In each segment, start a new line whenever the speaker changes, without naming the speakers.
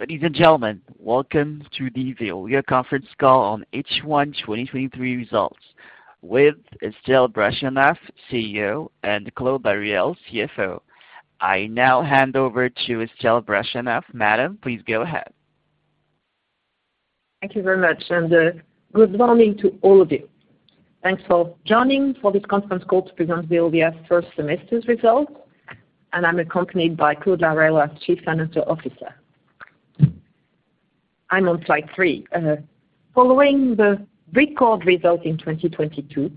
Ladies and gentlemen, welcome to the Veolia Conference Call on H1 2023 Results with Estelle Brachlianoff, CEO, and Claude Laruelle, CFO. I now hand over to Estelle Brachlianoff. Madam, please go ahead.
Thank you very much. Good morning to all of you. Thanks for joining for this conference call to present Veolia's first semester's results. I'm accompanied by Claude Laruelle, our Chief Financial Officer. I'm on slide three. Following the record result in 2022,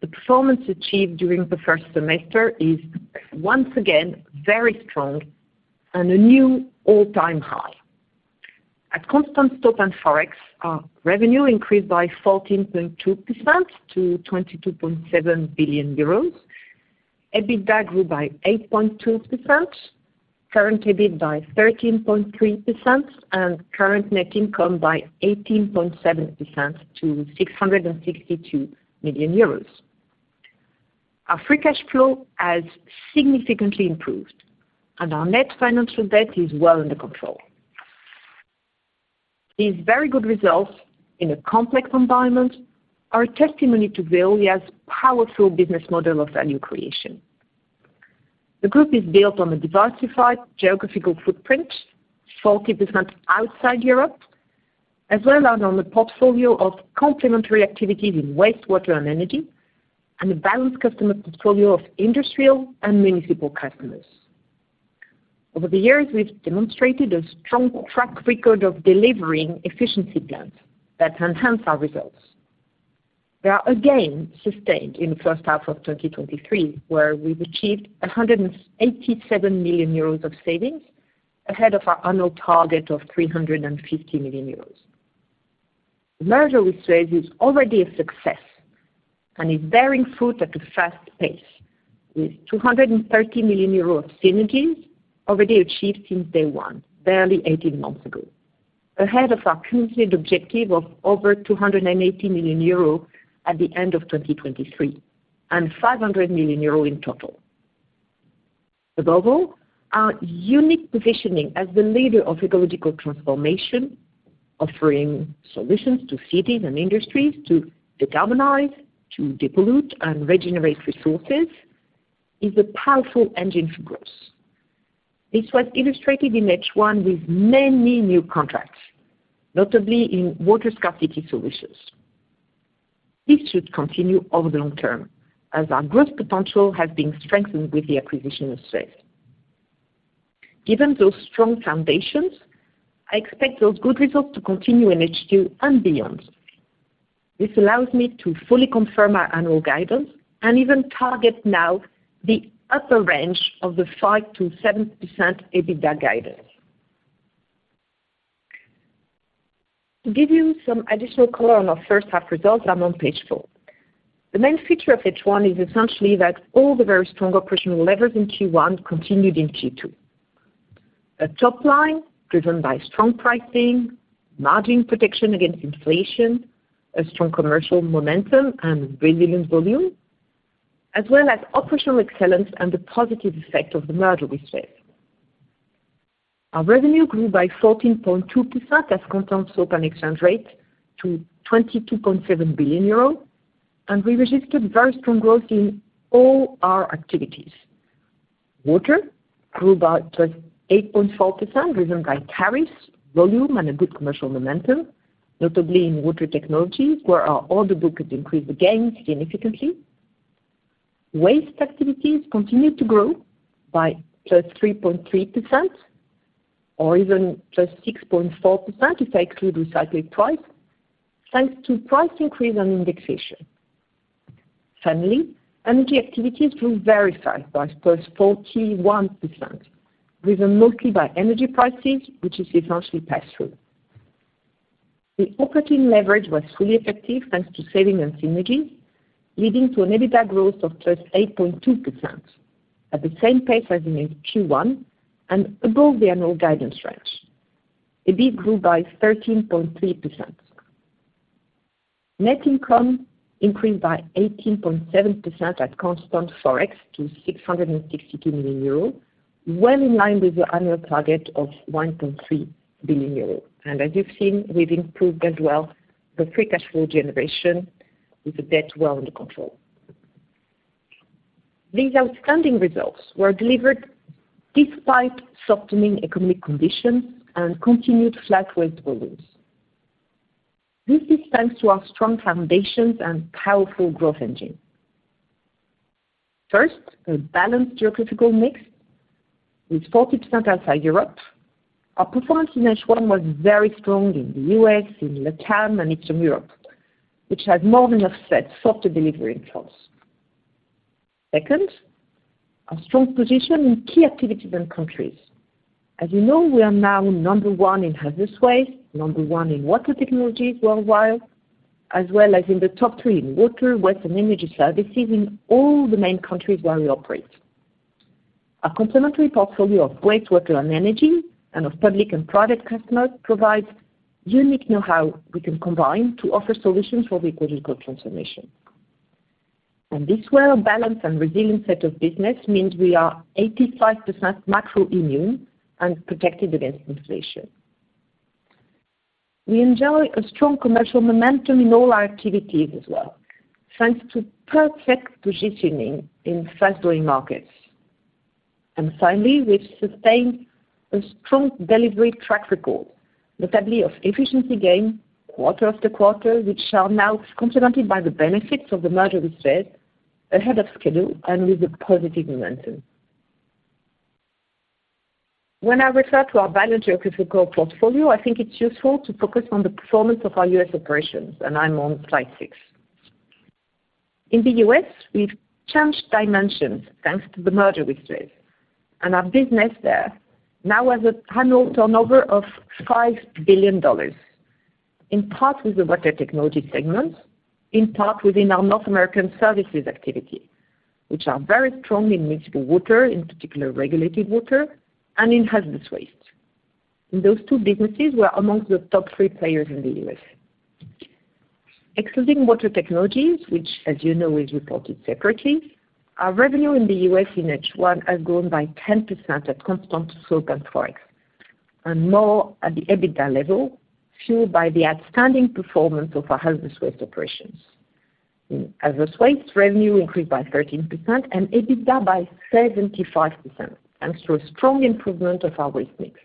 the performance achieved during the first semester is once again, very strong and a new all-time high. At constant stock and Forex, our revenue increased by 14.2% to 22.7 billion euros. EBITDA grew by 8.2%, current EBIT by 13.3%, current net income by 18.7% to 662 million euros. Our free cash flow has significantly improved. Our net financial debt is well under control. These very good results in a complex environment are a testimony to Veolia's powerful business model of value creation. The group is built on a diversified geographical footprint, 40% outside Europe, as well as on the portfolio of complementary activities in Waste, Water and Energy, and a balanced customer portfolio of industrial and municipal customers. Over the years, we've demonstrated a strong track record of delivering efficiency plans that enhance our results. They are again sustained in the first half of 2023, where we've achieved 187 million euros of savings, ahead of our annual target of 350 million euros. The merger with SUEZ is already a success, and is bearing fruit at a fast pace, with 230 million euros of synergies already achieved since day one, barely 18 months ago. Ahead of our cumulative objective of over 280 million euro at the end of 2023, and 500 million euro in total. Above all, our unique positioning as the leader of ecological transformation, offering solutions to cities and industries to decarbonize, to depollute, and regenerate resources, is a powerful engine for growth. This was illustrated in H1 with many new contracts, notably in water scarcity solutions. This should continue over the long term, as our growth potential has been strengthened with the acquisition of SUEZ. Given those strong foundations, I expect those good results to continue in H2 and beyond. This allows me to fully confirm our annual guidance and even target now the upper range of the 5%-7% EBITDA guidance. To give you some additional color on our first half results, I'm on page four. The main feature of H1 is essentially that all the very strong operational levers in Q1 continued in Q2. Top line, driven by strong pricing, margin protection against inflation, a strong commercial momentum, and resilient volume, as well as operational excellence and the positive effect of the merger with SUEZ. Our revenue grew by 14.2% as constant scope and exchange rate to 22.7 billion euros, we registered very strong growth in all our activities. Water grew by +8.4%, driven by tariffs, volume, and a good commercial momentum, notably in Water Technologies, where our order book increased again significantly. Waste activities continued to grow by +3.3%, or even +6.4%, if I include recycled price, thanks to price increase and indexation. Finally, Energy activities grew very fast, by +41%, driven mostly by Energy prices, which is essentially passed through. The operating leverage was fully effective, thanks to saving and synergy, leading to an EBITDA growth of +8.2%, at the same pace as in Q1 and above the annual guidance range. EBIT grew by 13.3%. Net income increased by 18.7% at constant Forex to 660 million euros, well in line with the annual target of 1.3 billion euros. As you've seen, we've improved as well, the free cash flow generation with the debt well under control. These outstanding results were delivered despite softening economic conditions and continued flat Waste volumes. This is thanks to our strong foundations and powerful growth engine. First, a balanced geographical mix with 40% outside Europe. Our performance in H1 was very strong in the U.S., in Latin, and Eastern Europe, which has more than offset softer delivery in France. Second, our strong position in key activities and countries. As you know, we are now number one in hazardous waste, number one in Water Technologies worldwide, as well as in the top three in Water, Waste, and Energy services in all the main countries where we operate. A complementary portfolio of Waste, Water, and Energy, and of public and private customers provides unique know-how we can combine to offer solutions for the ecological transformation. This well-balanced and resilient set of business means we are 85% macro immune and protected against inflation. We enjoy a strong commercial momentum in all our activities as well, thanks to perfect positioning in fast-growing markets. Finally, we've sustained a strong delivery track record, notably of efficiency gain, quarter after quarter, which are now complemented by the benefits of the merger with SUEZ, ahead of schedule and with a positive momentum. When I refer to our balanced geographical portfolio, I think it's useful to focus on the performance of our U.S. operations, and I'm on slide six. In the U.S., we've changed dimensions, thanks to the merger with SUEZ, and our business there now has an annual turnover of $5 billion, in part with the Water Technologies segment, in part within our North American services activity, which are very strong in municipal water, in particular regulated water and in hazardous waste. In those two businesses, we're amongst the top three players in the U.S. Excluding Water Technologies, which, as you know, is reported separately, our revenue in the U.S. in H1 has grown by 10% at constant scope and Forex, and more at the EBITDA level, fueled by the outstanding performance of our hazardous waste operations. As a Waste revenue increased by 13% and EBITDA by 75%, thanks to a strong improvement of our Waste mix.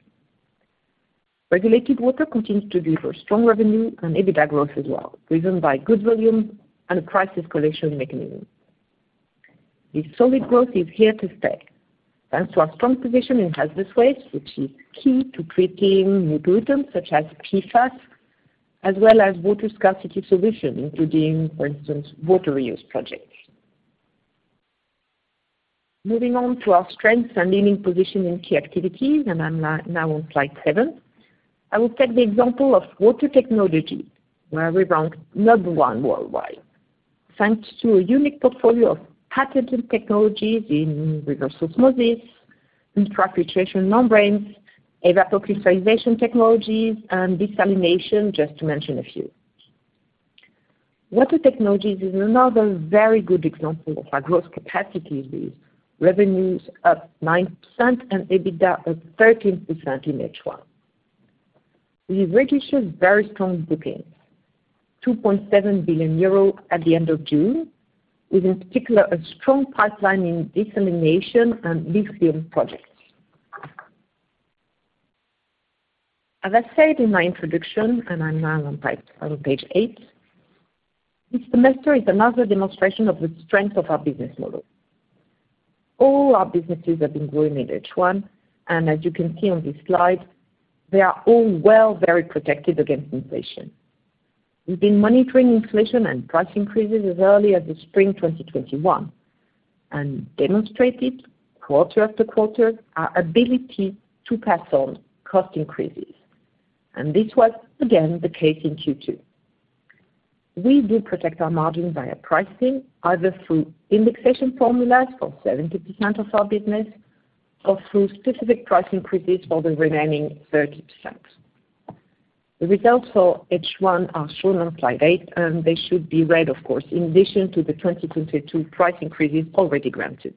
Regulated water continues to deliver strong revenue and EBITDA growth as well, driven by good volume and price escalation mechanism. This solid growth is here to stay, thanks to our strong position in hazardous waste, which is key to treating new pollutants such as PFAS, as well as water scarcity solutions, including, for instance, water reuse projects. Moving on to our strengths and leading position in key activities. I'm now on slide seven. I will take the example of Water Technologies, where we rank number one worldwide, thanks to a unique portfolio of patented technologies in reverse osmosis, ultrafiltration membranes, evapocrystallization technologies, and desalination, just to mention a few. Water Technologies is another very good example of our growth capacities, with revenues up 9% and EBITDA up 13% in H1. We registered very strong bookings, 2.7 billion euros at the end of June, with in particular, a strong pipeline in desalination and lithium projects. As I said in my introduction, and I'm now on page eight, this semester is another demonstration of the strength of our business model. All our businesses have been growing in H1, and as you can see on this slide, they are all well, very protected against inflation. We've been monitoring inflation and price increases as early as the spring, 2021, demonstrated quarter after quarter, our ability to pass on cost increases. This was again, the case in Q2. We do protect our margins via pricing, either through indexation formulas for 70% of our business, or through specific price increases for the remaining 30%. The results for H1 are shown on slide eight, they should be read, of course, in addition to the 2022 price increases already granted.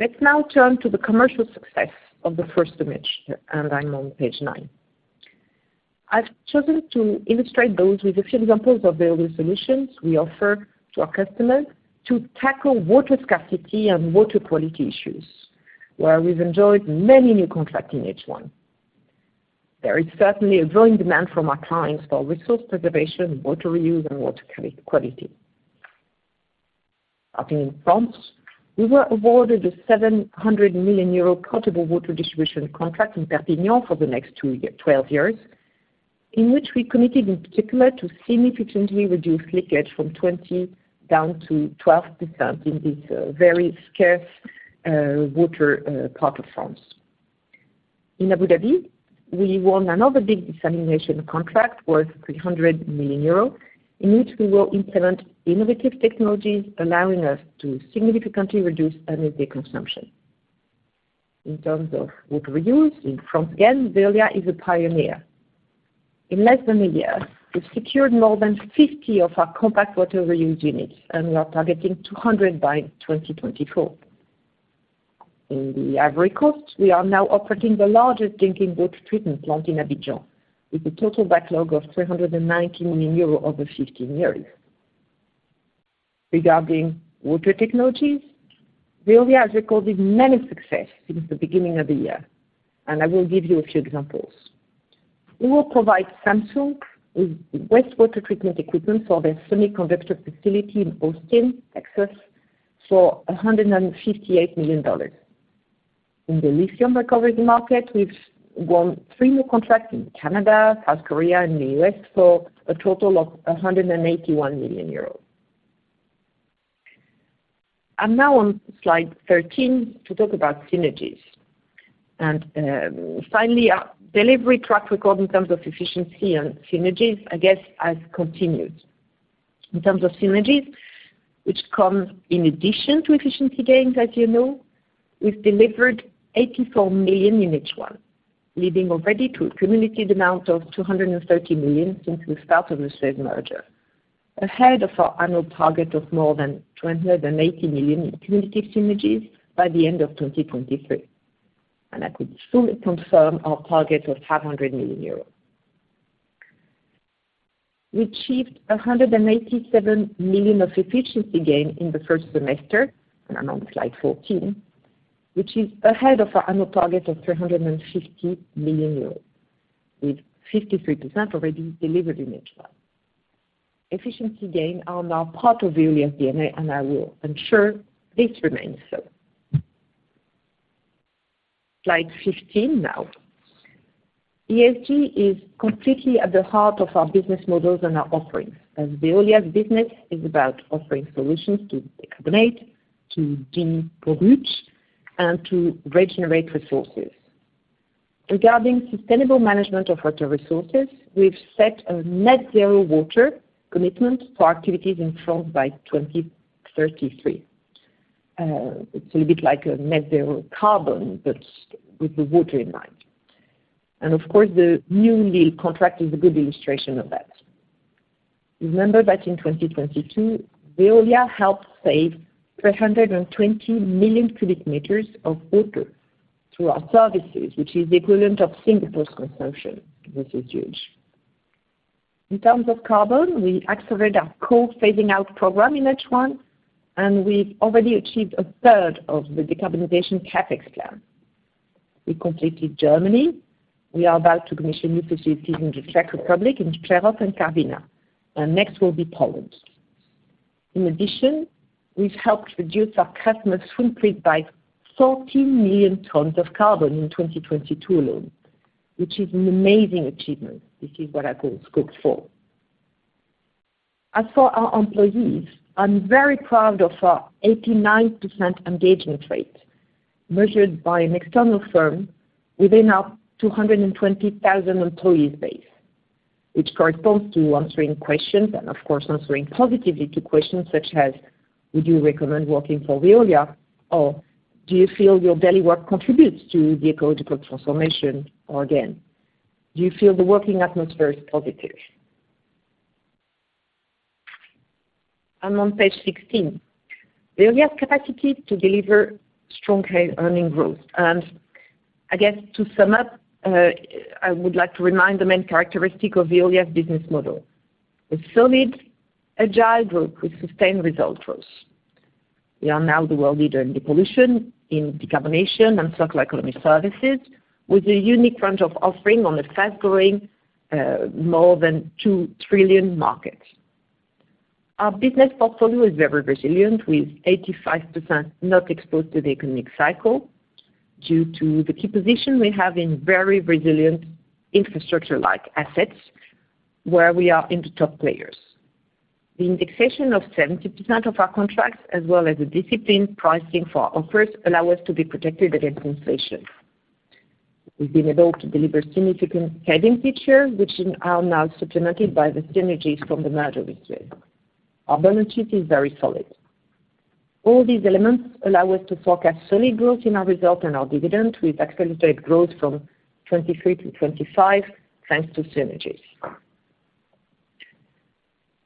Let's now turn to the commercial success of the first image, I'm on page nine. I've chosen to illustrate those with a few examples of the solutions we offer to our customers to tackle water scarcity and water quality issues, where we've enjoyed many new contracts in H1. There is certainly a growing demand from our clients for resource preservation, water reuse and water quality. Starting in France, we were awarded a 700 million euro potable water distribution contract in Perpignan for the next 12 years, in which we committed, in particular, to significantly reduce leakage from 20 down to 12% in this very scarce water part of France. In Abu Dhabi, we won another big desalination contract worth 300 million euros, in which we will implement innovative technologies, allowing us to significantly reduce energy consumption. In terms of water reuse, in France, again, Veolia is a pioneer. In less than a year, we've secured more than 50 of our compact water reuse units, and we are targeting 200 by 2024. In the Ivory Coast, we are now operating the largest drinking water treatment plant in Abidjan, with a total backlog of 390 million euros over 15 years. Regarding Water Technologies, Veolia has recorded many success since the beginning of the year. I will give you a few examples. We will provide Samsung with wastewater treatment equipment for their semiconductor facility in Austin, Texas, for $158 million. In the lithium recovery market, we've won three new contracts in Canada, South Korea, and the U.S. for a total of 181 million euros. I'm now on slide 13 to talk about synergies. Finally, our delivery track record in terms of efficiency and synergies, I guess, has continued. In terms of synergies. which comes in addition to efficiency gains, as you know, we've delivered 84 million in H1, leading already to a cumulative amount of 230 million since the start of the said merger. Ahead of our annual target of more than 280 million in cumulative synergies by the end of 2023. I could fully confirm our target of 500 million euros. We achieved 187 million of efficiency gain in the first semester, and I'm on slide 14, which is ahead of our annual target of 350 million euros, with 53% already delivered in H1. Efficiency gain are now part of Veolia's DNA. I will ensure this remains so. Slide 15 now. ESG is completely at the heart of our business models and our offerings, as Veolia's business is about offering solutions to abate, to de-pollute, and to regenerate resources. Regarding sustainable management of water resources, we've set a net zero water commitment for activities in France by 2033. It's a little bit like a net zero carbon, but with the water in mind. Of course, the New Deal Contract is a good illustration of that. Remember that in 2022, Veolia helped save 320 million cubic meters of water through our services, which is the equivalent of Singapore's consumption. This is huge. In terms of carbon, we accelerate our coal phasing out program in H1. We've already achieved a third of the decarbonization CapEx plan. We completed Germany. We are about to commission new facilities in the Czech Republic, in Prerov and Karvina. Next will be Poland. In addition, we've helped reduce our customers' footprint by 14 million tons of carbon in 2022 alone, which is an amazing achievement. This is what I call Scope 4. As for our employees, I'm very proud of our 89% engagement rate, measured by an external firm within our 220,000 employees base, which corresponds to answering questions, and of course, answering positively to questions such as: Would you recommend working for Veolia? Do you feel your daily work contributes to the ecological transformation? Again, do you feel the working atmosphere is positive? I'm on page 16. Veolia has capacity to deliver strong earning growth. I guess, to sum up, I would like to remind the main characteristic of Veolia's business model. A solid, agile group with sustained results growth. We are now the world leader in depollution, in decarbonation, and circular economy services, with a unique range of offering on a fast-growing, more than 2 trillion market. Our business portfolio is very resilient, with 85% not exposed to the economic cycle, due to the key position we have in very resilient infrastructure-like assets, where we are in the top players. The indexation of 70% of our contracts, as well as a disciplined pricing for our offers, allow us to be protected against inflation. We've been able to deliver significant hedging effect, which are now supplemented by the synergies from the merger with Veolia. Our balance sheet is very solid. All these elements allow us to forecast solid growth in our results and our dividend, with accelerated growth from 2023 to 2025, thanks to synergies.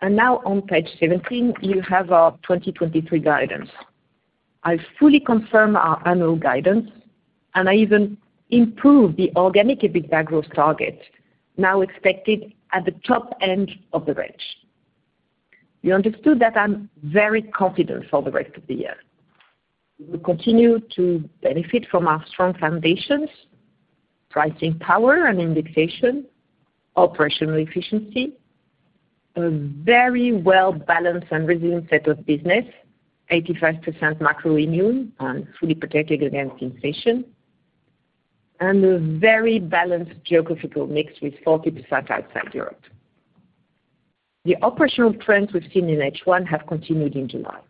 Now on page 17, you have our 2023 guidance. I fully confirm our annual guidance, I even improve the organic EBITDA growth target, now expected at the top end of the range. You understood that I'm very confident for the rest of the year. We will continue to benefit from our strong foundations, pricing power and indexation, operational efficiency, a very well balanced and resilient set of business, 85% macro immune and fully protected against inflation, and a very balanced geographical mix with 40% outside Europe. The operational trends we've seen in H1 have continued in July.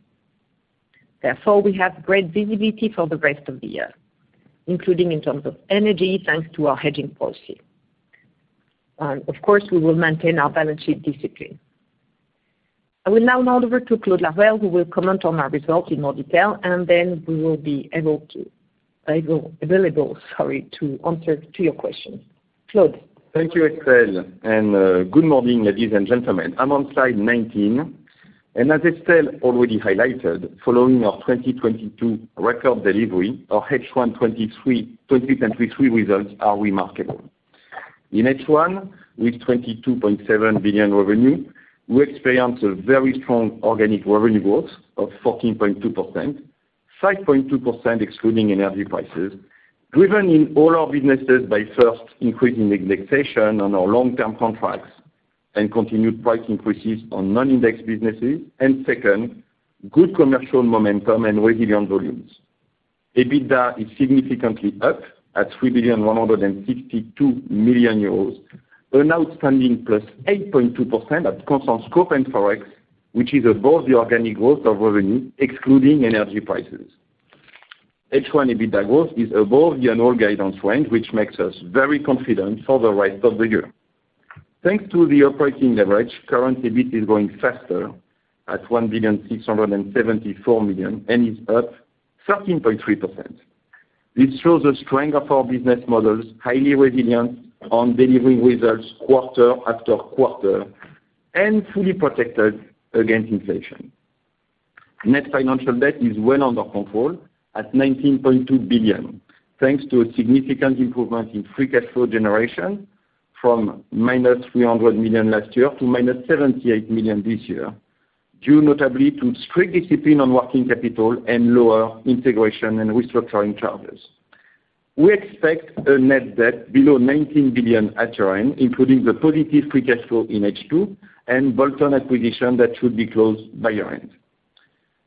Therefore, we have great visibility for the rest of the year, including in terms of Energy, thanks to our hedging policy. Of course, we will maintain our balance sheet discipline. I will now hand over to Claude Laruelle, who will comment on our results in more detail, and then we will be able to, go, available, sorry, to answer to your questions. Claude?
Thank you, Estelle, and good morning, ladies and gentlemen. I'm on slide 19, and as Estelle already highlighted, following our 2022 record delivery, our H1 2023 results are remarkable. In H1, with 22.7 billion revenue, we experienced a very strong organic revenue growth of 14.2%, 5.2% excluding Energy prices, driven in all our businesses by first, increasing indexation on our long-term contracts and continued price increases on non-indexed businesses, and second, good commercial momentum and resilient volumes. EBITDA is significantly up, at 3,162 million euros, an outstanding +8.2% at constant scope and Forex, which is above the organic growth of revenue, excluding Energy prices. H1 EBITDA growth is above the annual guidance range, which makes us very confident for the rest of the year. Thanks to the operating leverage, current EBIT is growing faster at 1.674 billion, and is up 13.3%. This shows the strength of our business models, highly resilient on delivering results quarter after quarter, and fully protected against inflation. Net financial debt is well under control at 19.2 billion, thanks to a significant improvement in free cash flow generation from -300 million last year to -78 million this year, due notably to strict discipline on working capital and lower integration and restructuring charges. We expect a net debt below 19 billion at year-end, including the positive free cash flow in H2, and bolt-on acquisition that should be closed by year-end.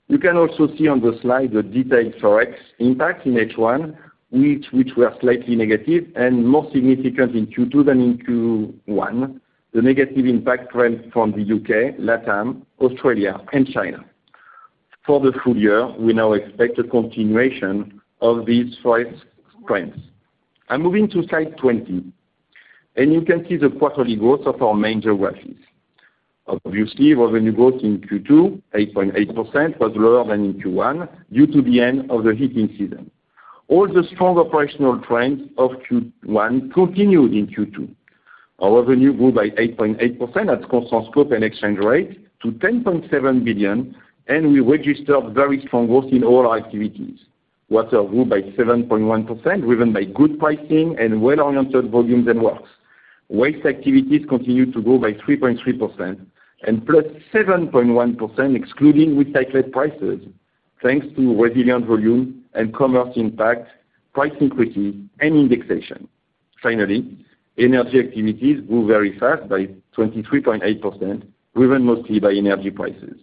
You can also see on the slide the detailed Forex impact in H1, which were slightly negative and more significant in Q2 than in Q1. The negative impact trend from the U.K., LatAm, Australia, and China. For the full year, we now expect a continuation of these Forex trends. I'm moving to slide 20. You can see the quarterly growth of our main geographies. Obviously, revenue growth in Q2, 8.8%, was lower than in Q1, due to the end of the heating season. All the strong operational trends of Q1 continued in Q2. Our revenue grew by 8.8% at constant scope and exchange rate to 10.7 billion. We registered very strong growth in all our activities. Water grew by 7.1%, driven by good pricing and well-oriented volumes and works. Waste activities continued to grow by 3.3% and +7.1%, excluding recycled prices, thanks to resilient volume and commerce impact, price increases, and indexation. Finally, Energy activities grew very fast by 23.8%, driven mostly by Energy prices.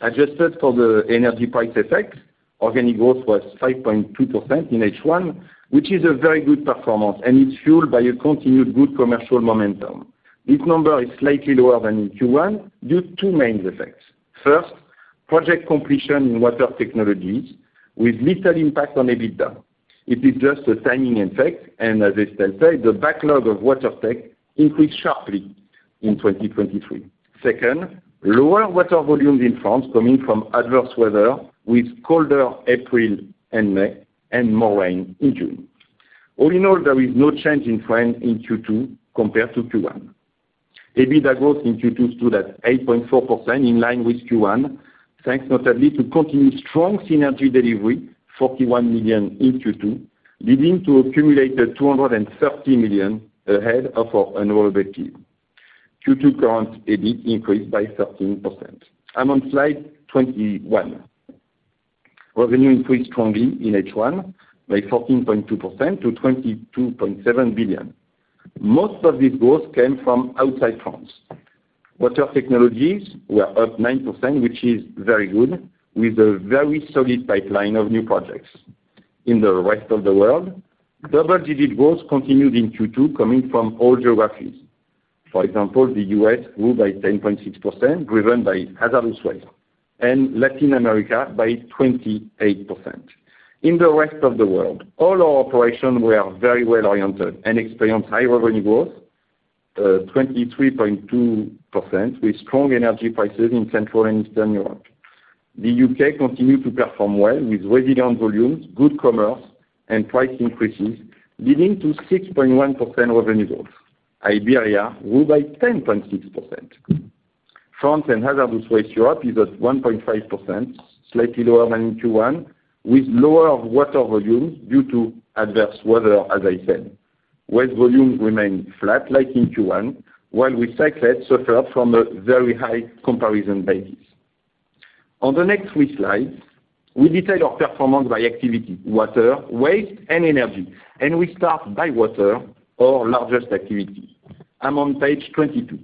Adjusted for the Energy price effect, organic growth was 5.2% in H1, which is a very good performance, and it's fueled by a continued good commercial momentum. This number is slightly lower than in Q1, due to two main effects. First, project completion in Water Technologies with little impact on EBITDA. It is just a timing effect, and as I said, the backlog of Water Tech increased sharply in 2023. Second, lower Water volumes in France coming from adverse weather, with colder April and May, and more rain in June. All in all, there is no change in trend in Q2 compared to Q1. EBITDA growth in Q2 stood at 8.4%, in line with Q1, thanks notably to continued strong synergy delivery, 41 million in Q2, leading to accumulated 230 million ahead of our annual objective. Q2 current EBIT increased by 13%. I'm on slide 21. Revenue increased strongly in H1 by 14.2% to 22.7 billion. Most of this growth came from outside France. Water Technologies were up 9%, which is very good, with a very solid pipeline of new projects. In the rest of the world, double-digit growth continued in Q2, coming from all geographies. For example, the U.S. grew by 10.6%, driven by hazardous waste, and Latin America by 28%. In the rest of the world, all our operations were very well-oriented and experienced high revenue growth, 23.2%, with strong Energy prices in Central and Eastern Europe. The U.K. continued to perform well, with resilient volumes, good commerce, and price increases, leading to 6.1% revenue growth. Iberia grew by 10.6%. France and hazardous Waste Europe is at 1.5%, slightly lower than in Q1, with lower Water volumes due to adverse weather, as I said. Waste volume remained flat, like in Q1, while recycled suffered from a very high comparison basis. On the next three slides, we detail our performance by activity: Water, Waste, and Energy. We start by Water, our largest activity. I'm on page 22.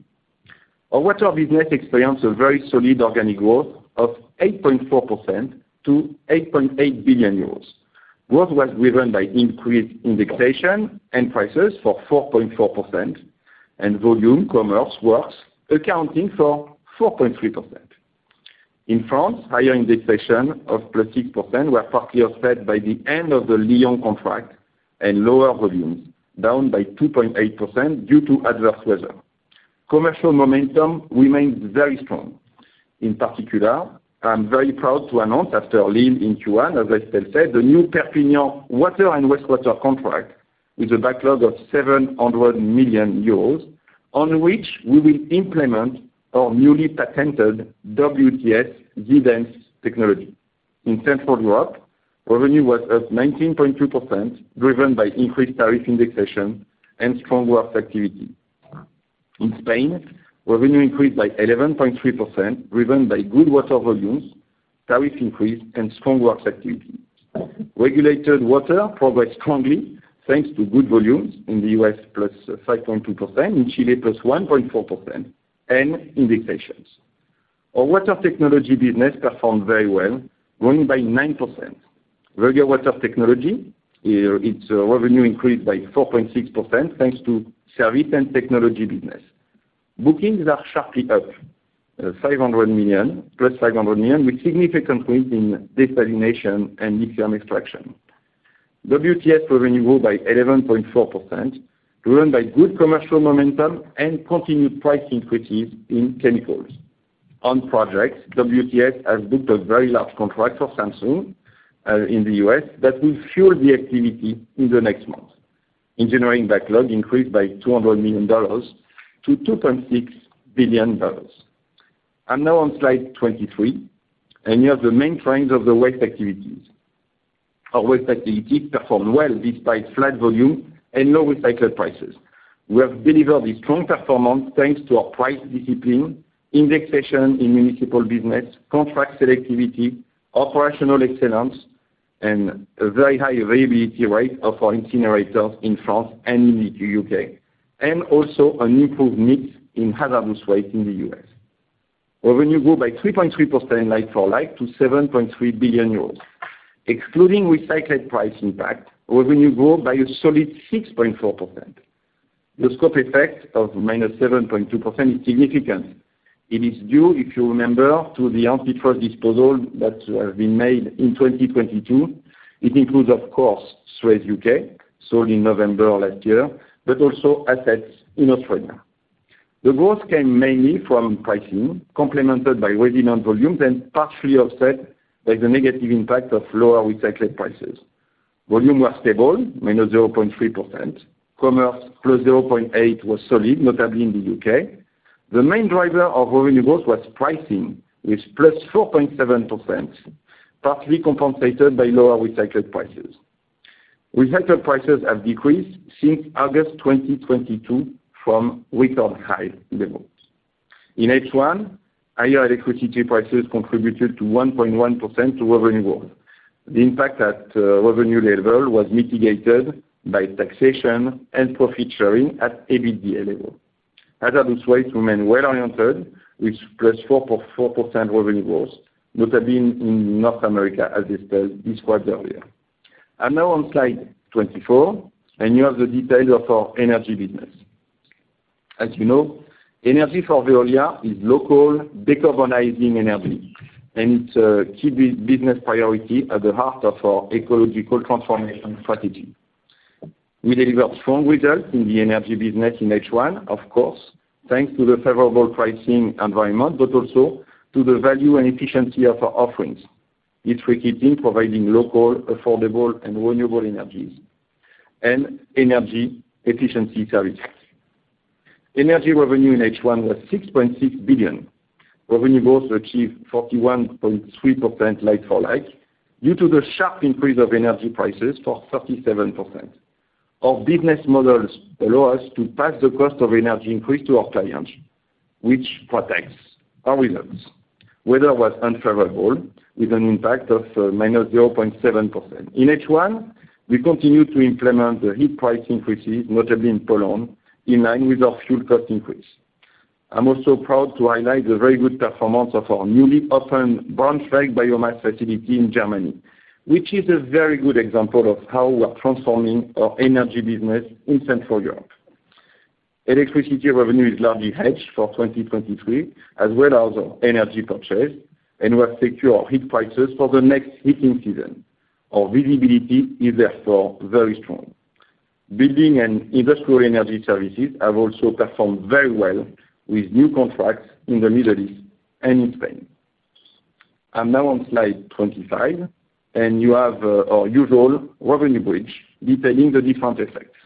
Our Water business experienced a very solid organic growth of 8.4% to 8.8 billion euros. Growth was driven by increased indexation and prices for 4.4%, and volume, commerce, works, accounting for 4.3%. In France, higher indexation of +6% were partly offset by the end of the Lyon contract and lower volumes, down by 2.8% due to adverse weather. Commercial momentum remains very strong. In particular, I'm very proud to announce, after Lille in Q1, as I still said, the new Perpignan water and wastewater contract, with a backlog of 700 million euros, on which we will implement our newly patented WTS driven technology. In Central Europe, revenue was up 19.2%, driven by increased tariff indexation and strong works activity. In Spain, revenue increased by 11.3%, driven by good Water volumes, tariff increase, and strong works activity. Regulated water progressed strongly, thanks to good volumes in the U.S., +5.2%, in Chile, +1.4%, and indexations. Our Water Technology business performed very well, growing by 9%. Veolia Water Technology, its revenue increased by 4.6%, thanks to service and technology business. Bookings are sharply up, $500 million, +$500 million, with significant growth in desalination and lithium extraction. WTS revenue grew by 11.4%, driven by good commercial momentum and continued price increases in chemicals. On projects, WTS has booked a very large contract for Samsung in the U.S. that will fuel the activity in the next months. Engineering backlog increased by $200 million to $2.6 billion. I'm now on slide 23, you have the main trends of the waste activities. Our waste activities performed well despite flat volume and low recycled prices. We have delivered a strong performance, thanks to our price discipline, indexation in municipal business, contract selectivity, operational excellence, and a very high availability rate of our incinerators in France and in the U.K., and also an improved mix in hazardous waste in the U.S. Our revenue grew by 3.3% like-for-like to 7.3 billion euros. Excluding recycled price impact, revenue grew by a solid 6.4%. The scope effect of -7.2% is significant. It is due, if you remember, to the antitrust disposal that have been made in 2022. It includes, of course, SUEZ U.K., sold in November of last year, but also assets in Australia. The growth came mainly from pricing, complemented by resident volumes and partially offset by the negative impact of lower recycled prices. Volume was stable, -0.3%. Commerce, +0.8, was solid, notably in the U.K. The main driver of revenue growth was pricing, with +4.7%, partly compensated by lower recycled prices. Recycled prices have decreased since August 2022 from record high levels. In H1, higher electricity prices contributed to 1.1% to revenue growth. The impact at revenue level was mitigated by taxation and profit sharing at EBITDA level. Hazardous waste remain well-oriented, with +4.4% revenue growth, notably in North America, as Estelle described earlier. I'm now on slide 24, you have the details of our Energy business. As you know, Energy for Veolia is local, decarbonizing energy, and it's a key business priority at the heart of our ecological transformation strategy. We delivered strong results in the Energy business in H1, of course, thanks to the favorable pricing environment, but also to the value and efficiency of our offerings, which we keep in providing local, affordable, and renewable energies and energy efficiency services. Energy revenue in H1 was 6.6 billion. Revenue growth achieved 41.3% like-for-like, due to the sharp increase of Energy prices for 37%. Our business models allow us to pass the cost of Energy increase to our clients, which protects our results. Weather was unfavorable, with an impact of -0.7%. In H1, we continued to implement the heat price increases, notably in Poland, in line with our fuel cost increase. I'm also proud to highlight the very good performance of our newly opened Braunschweig biomass facility in Germany, which is a very good example of how we are transforming our Energy business in Central Europe. Electricity revenue is largely hedged for 2023, as well as our Energy purchase, and we have secured our heat prices for the next heating season. Our visibility is therefore very strong. Building and industrial energy services have also performed very well, with new contracts in the Middle East and in Spain. I'm now on slide 25, and you have our usual revenue bridge detailing the different effects.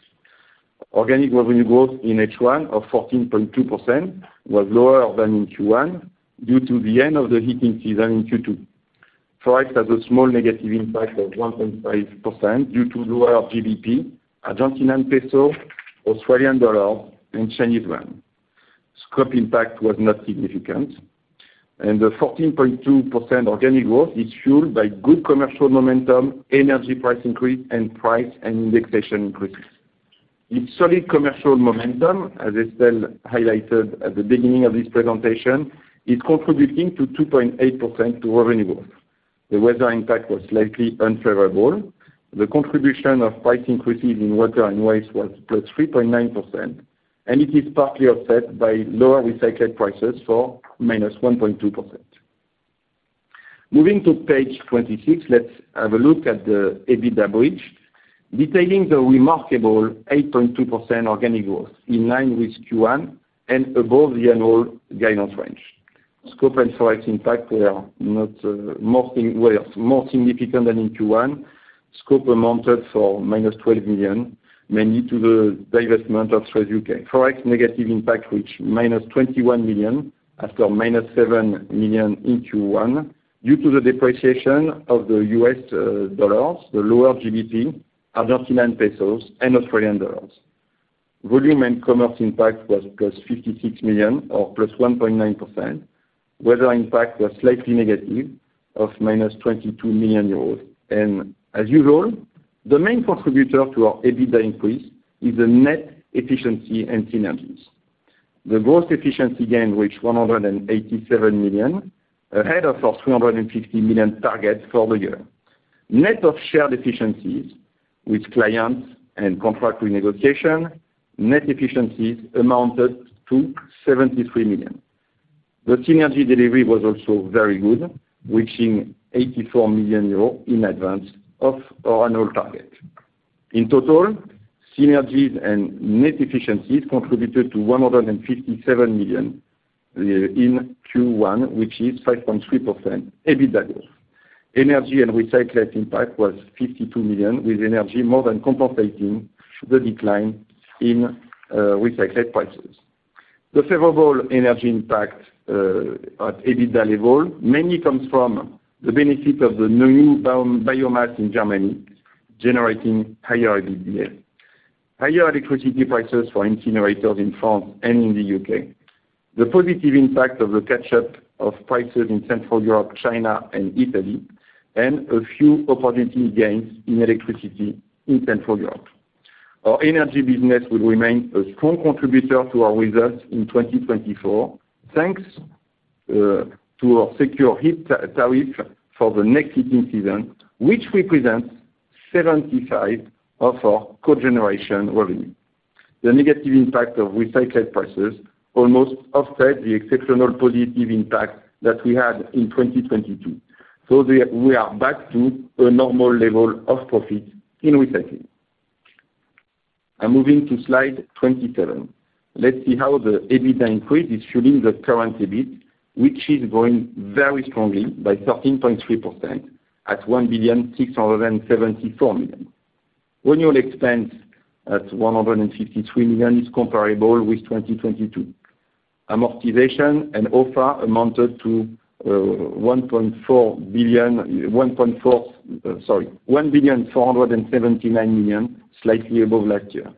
Organic revenue growth in H1 of 14.2% was lower than in Q1 due to the end of the heating season in Q2. Price has a small negative impact of 1.5% due to lower GBP, Argentine peso, Australian dollar, and Chinese yuan. Scope impact was not significant. The 14.2% organic growth is fueled by good commercial momentum, Energy price increase, and price and indexation increases. In solid commercial momentum, as Estelle highlighted at the beginning of this presentation, is contributing to 2.8% to revenue growth. The weather impact was slightly unfavorable. The contribution of price increases in Water and Waste was +3.9%. It is partly offset by lower recycled prices for -1.2%. Moving to page 26, let's have a look at the EBITDA bridge, detailing the remarkable 8.2% organic growth in line with Q1 and above the annual guidance range. Scope and price impact were not were more significant than in Q1. Scope amounted for -12 million, mainly to the divestment of SUEZ U.K. Price negative impact, which -21 million, after -7 million in Q1, due to the depreciation of the U.S. dollar, the lower GBP, Argentine pesos, and Australian dollars. Volume and commerce impact was +56 million, or +1.9%. Weather impact was slightly negative of -22 million euros. As usual, the main contributor to our EBITDA increase is the net efficiency and synergies. The gross efficiency gain reached 187 million, ahead of our 350 million targets for the year. Net of shared efficiencies with clients and contract renegotiation, net efficiencies amounted to 73 million. The synergy delivery was also very good, reaching 84 million euros in advance of our annual target. In total, synergies and net efficiencies contributed to 157 million in Q1, which is 5.3% EBITDA growth. Energy and recycled impact was 52 million, with Energy more than compensating the decline in recycled prices. The favorable Energy impact at EBITDA level, mainly comes from the benefit of the new biomass in Germany, generating higher EBITDA. Higher electricity prices for incinerators in France and in the U.K. The positive impact of the catch-up of prices in Central Europe, China and Italy, and a few opportunity gains in electricity in Central Europe. Our Energy business will remain a strong contributor to our results in 2024, thanks to our secure heat tariff for the next heating season, which represents 75% of our cogeneration revenue. The negative impact of recycled prices almost offset the exceptional positive impact that we had in 2022. We are back to a normal level of profit in recycling. I'm moving to slide 27. Let's see how the EBITDA increase is fueling the current EBIT, which is growing very strongly by 13.3%, at 1.674 billion. Annual expense at 153 million is comparable with 2022. Amortization and offer amounted to 1.479 billion, slightly above last year.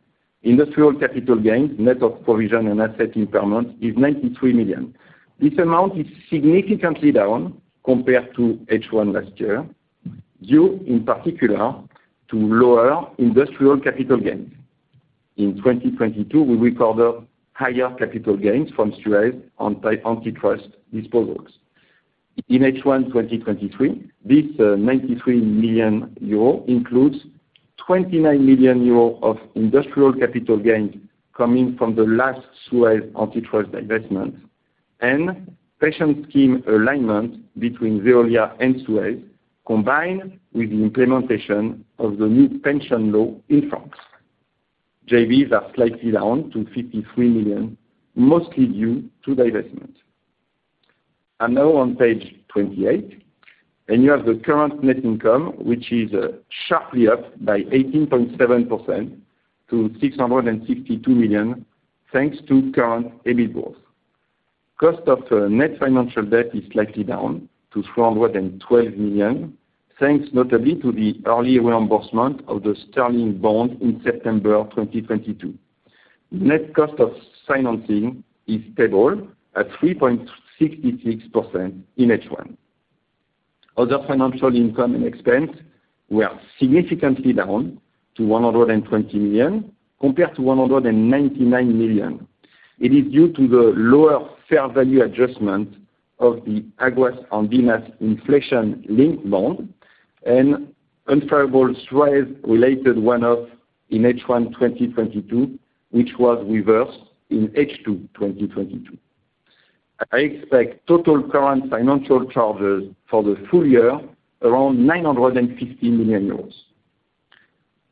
Industrial capital gains, net of provision and asset impairment, is 93 million. This amount is significantly down compared to H1 last year, due in particular, to lower industrial capital gains. In 2022, we recovered higher capital gains from SUEZ on antitrust disposals. In H1, 2023, this 93 million euro includes 29 million euro of industrial capital gains coming from the last SUEZ antitrust divestment, and pension scheme alignment between Veolia and SUEZ, combined with the implementation of the new pension law in France. JVs are slightly down to 53 million, mostly due to divestment. I'm now on page 28, you have the current net income, which is sharply up by 18.7% to 662 million, thanks to current EBIT growth. Cost of net financial debt is slightly down to 412 million, thanks notably to the early reimbursement of the sterling bond in September 2022. Net cost of financing is stable at 3.66% in H1. Other financial income and expense were significantly down to 120 million, compared to 199 million. It is due to the lower fair value adjustment of the Aguas Andinas inflation-linked bond, and unfavorable SUEZ-related one-off in H1 2022, which was reversed in H2 2022. I expect total current financial charges for the full year, around 950 million euros.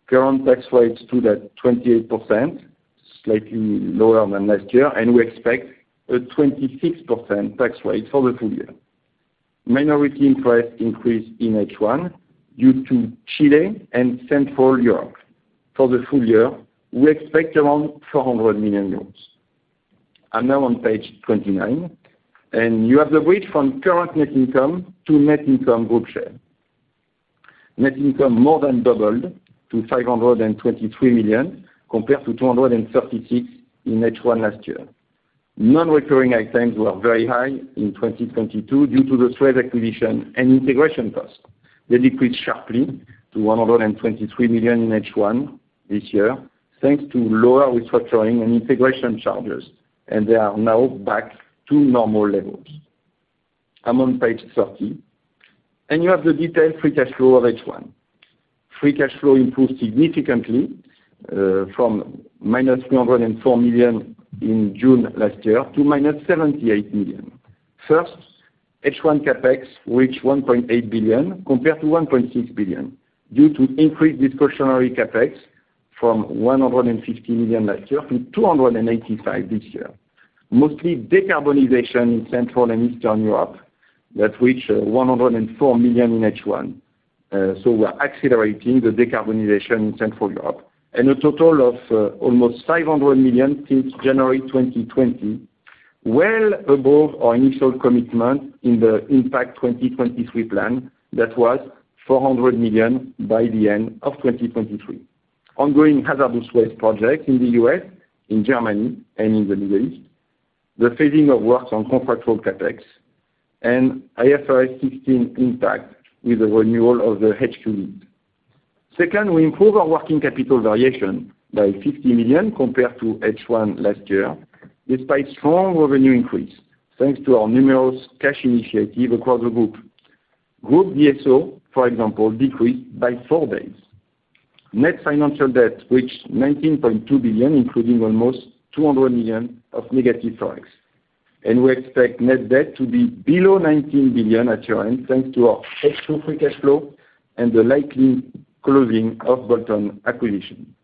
Current tax rates stood at 28%, slightly lower than last year, and we expect a 26% tax rate for the full year. Minority interest increased in H1, due to Chile and Central Europe. For the full year, we expect around 400 million. I'm now on page 29, and you have the bridge from current net income to net income group share. Net income more than doubled to 523 million, compared to 236 million in H1 last year. Non-recurring items were very high in 2022 due to the SUEZ acquisition and integration costs. They decreased sharply to 123 million in H1 this year, thanks to lower restructuring and integration charges. They are now back to normal levels. I'm on page 30. You have the detailed free cash flow of H1. Free cash flow improved significantly from -304 million in June last year, to -78 million. First, H1 CapEx reached 1.8 billion, compared to 1.6 billion, due to increased discretionary CapEx from 150 million last year to 285 million this year. Mostly decarbonization in Central and Eastern Europe, that reached 104 million in H1. So we are accelerating the decarbonization in Central Europe, and a total of, almost 500 million since January 2020, well above our initial commitment in the Impact 2023 plan, that was 400 million by the end of 2023. Ongoing hazardous waste project in the U.S., in Germany, and in the Middle East. The phasing of works on contractual CapEx, and IFRS 16 impact with the renewal of the HQ lease. We improve our working capital variation by 50 million compared to H1 last year, despite strong revenue increase, thanks to our numerous cash initiative across the group. Group DSO, for example, decreased by four days. Net financial debt reached 19.2 billion, including almost 200 million of negative ForEx, and we expect net debt to be below 19 billion at year-end, thanks to our extra free cash flow and the likely closing of bolt-on acquisition.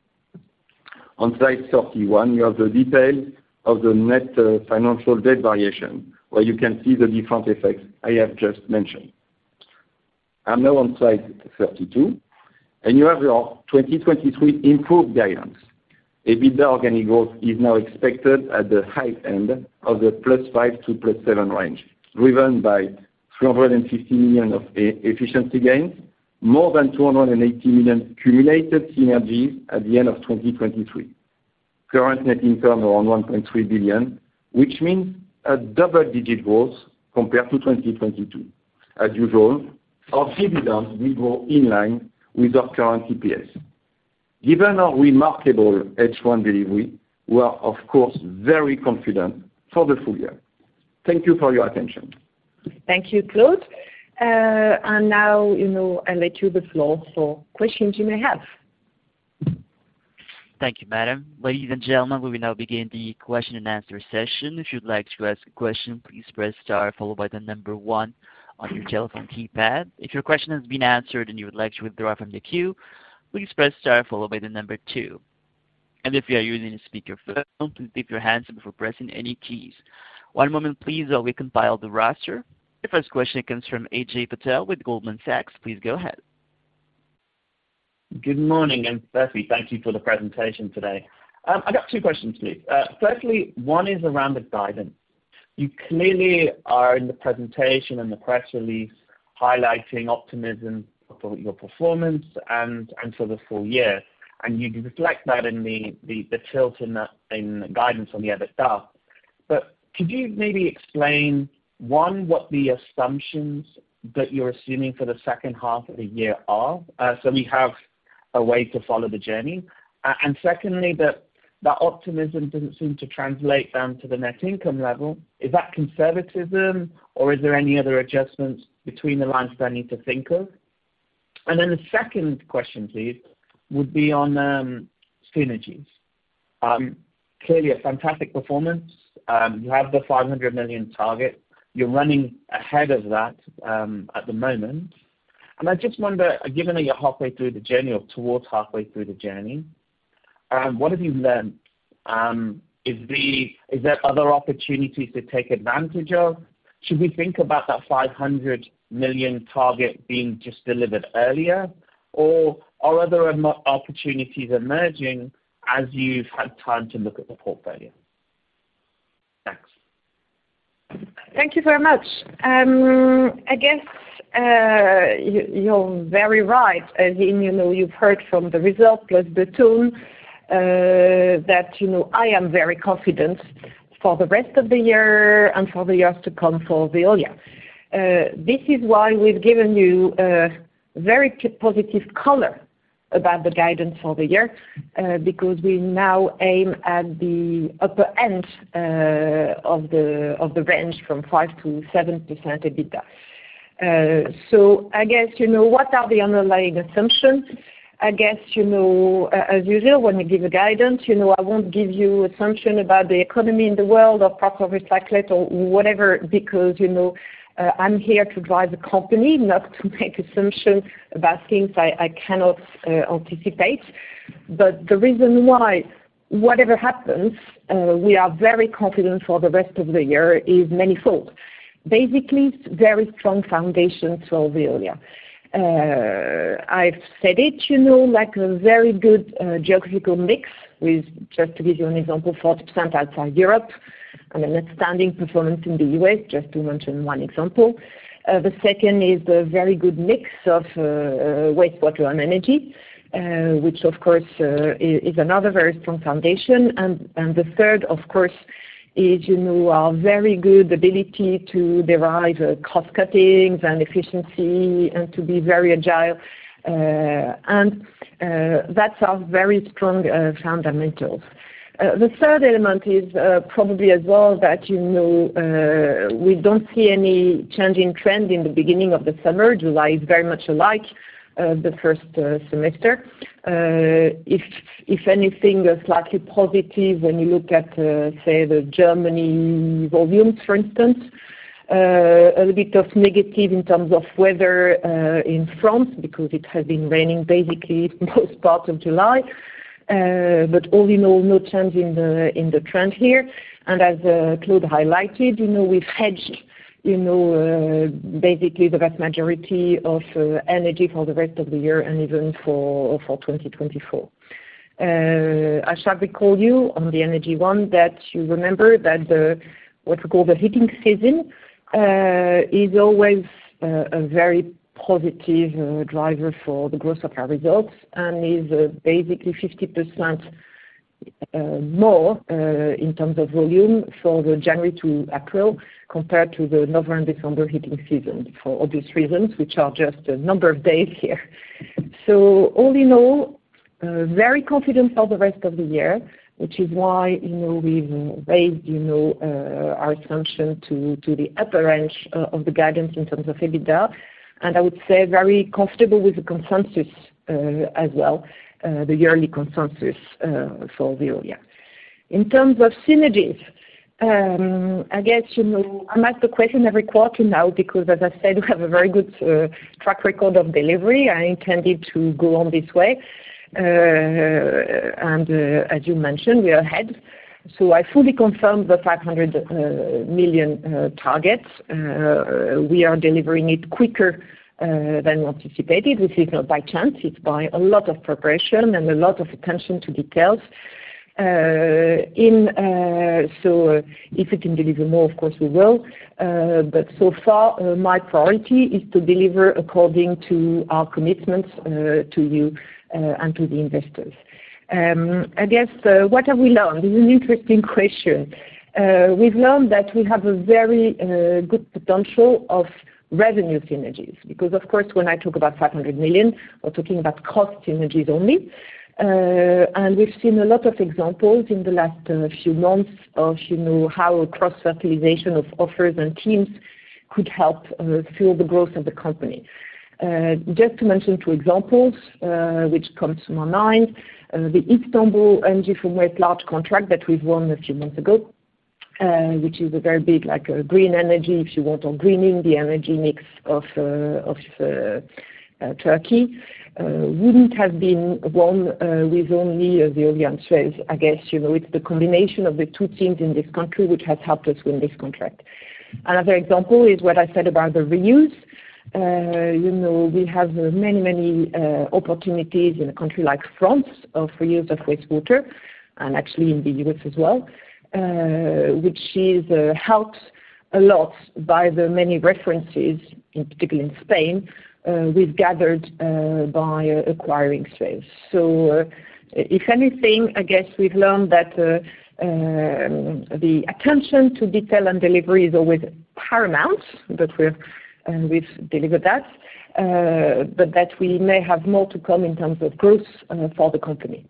On slide 31, you have the detail of the net financial debt variation, where you can see the different effects I have just mentioned. I'm now on slide 32, you have your 2023 improved guidance. EBITDA organic growth is now expected at the high end of the +5% to +7% range, driven by 350 million of efficiency gains, more than 280 million cumulative synergies at the end of 2023. Current net income around 1.3 billion, which means a double-digit growth compared to 2022. As usual, our dividends will grow in line with our current EPS. Given our remarkable H1 delivery, we are, of course, very confident for the full year. Thank you for your attention.
Thank you, Claude. Now, you know, I let you the floor for questions you may have.
Thank you, madam. Ladies and gentlemen, we will now begin the question and answer session. If you'd like to ask a question, please press star followed by the number one on your telephone keypad. If your question has been answered and you would like to withdraw from the queue, please press star followed by the number two. If you are using a speakerphone, please keep your hands before pressing any keys. One moment please, while we compile the roster. The first question comes from Ajay Patel with Goldman Sachs. Please go ahead.
Good morning. Firstly, thank you for the presentation today. I got two questions, please. Firstly, one is around the guidance. You clearly are in the presentation and the press release, highlighting optimism for your performance and, and for the full year, and you reflect that in the, the, the tilt in the, in guidance on the EBITDA. Could you maybe explain, one, what the assumptions that you're assuming for the second half of the year are, so we have a way to follow the journey? Secondly, that that optimism doesn't seem to translate down to the net income level. Is that conservatism, or is there any other adjustments between the lines that I need to think of? The second question, please, would be on synergies. Clearly a fantastic performance. You have the 500 million target. You're running ahead of that, at the moment. I just wonder, given that you're halfway through the journey or towards halfway through the journey, what have you learned? Is there other opportunities to take advantage of? Should we think about that 500 million target being just delivered earlier, or are there other opportunities emerging as you've had time to look at the portfolio? Thanks.
Thank you very much. I guess, you, you're very right, as in, you know, you've heard from the results, plus the tone, that, you know, I am very confident for the rest of the year and for the years to come for Veolia. This is why we've given you a very positive color about the guidance for the year, because we now aim at the upper end of the range from 5%-7% EBITDA. I guess, you know, what are the underlying assumptions? I guess, you know, as usual, when we give a guidance, you know, I won't give you assumption about the economy in the world or proper recyclate or whatever, because, you know, I'm here to drive the company, not to make assumption about things I, I cannot anticipate. The reason why whatever happens, we are very confident for the rest of the year is manifold. Basically, very strong foundation for Veolia. I've said it, you know, like a very good geographical mix with, just to give you an example, 40% outside Europe and an outstanding performance in the U.S., just to mention one example. The second is a very good mix of wastewater and energy, which, of course, is another very strong foundation. The third, of course, is, you know, our very good ability to derive cost cuttings and efficiency and to be very agile, and that's our very strong fundamentals. The third element is probably as well that, you know, we don't see any change in trend in the beginning of the summer. July is very much alike, the first semester. If, if anything, a slightly positive when you look at, say, the Germany volumes, for instance. A little bit of negative in terms of weather, in France, because it has been raining basically most parts of July. All in all, no change in the, in the trend here. As Claude highlighted, you know, we've hedged, you know, basically the vast majority of energy for the rest of the year and even for 2024. I shall recall you on the energy one, that you remember that the, what we call the heating season, is always a very positive driver for the growth of our results and is basically 50% more in terms of volume for the January to April, compared to the November and December heating season for obvious reasons, which are just a number of days here. All in all, very confident for the rest of the year, which is why, you know, we've raised, you know, our assumption to the upper range of the guidance in terms of EBITDA. I would say very comfortable with the consensus as well, the yearly consensus for Veolia. In terms of synergies, I guess, you know, I'm asked the question every quarter now, because as I said, we have a very good track record of delivery. I intended to go on this way. As you mentioned, we are ahead. I fully confirm the 500 million targets. We are delivering it quicker than anticipated, which is not by chance, it's by a lot of preparation and a lot of attention to details. If we can deliver more, of course we will. So far, my priority is to deliver according to our commitments to you and to the investors. I guess, what have we learned? This is an interesting question. We've learned that we have a very good potential of revenue synergies, because of course, when I talk about 500 million, we're talking about cost synergies only. We've seen a lot of examples in the last few months of, you know, how cross-fertilization of offers and teams could help fuel the growth of the company. Just to mention two examples which comes to my mind, the Istanbul engine from my large contract that we've won that you want to go, which is a very big like a green energy, if you want on greening the energy mix of Turkey wouldn't have been won with only of the audience. I guess, you know, it's the combination of the two things in this country which has helped us win this contract. Another example is what I said about the reviews. You know, we have many opportunities in a country like France or for use of wastewater and actually in the U.S. as well, which is helps a lot by the many references in particular in Spain we've gathered by acquiring states. If anything, I guess we've learned that the attention to detail and delivery is always paramount, but we've, and we've delivered that, but that we may have more to come in terms of growth for the company.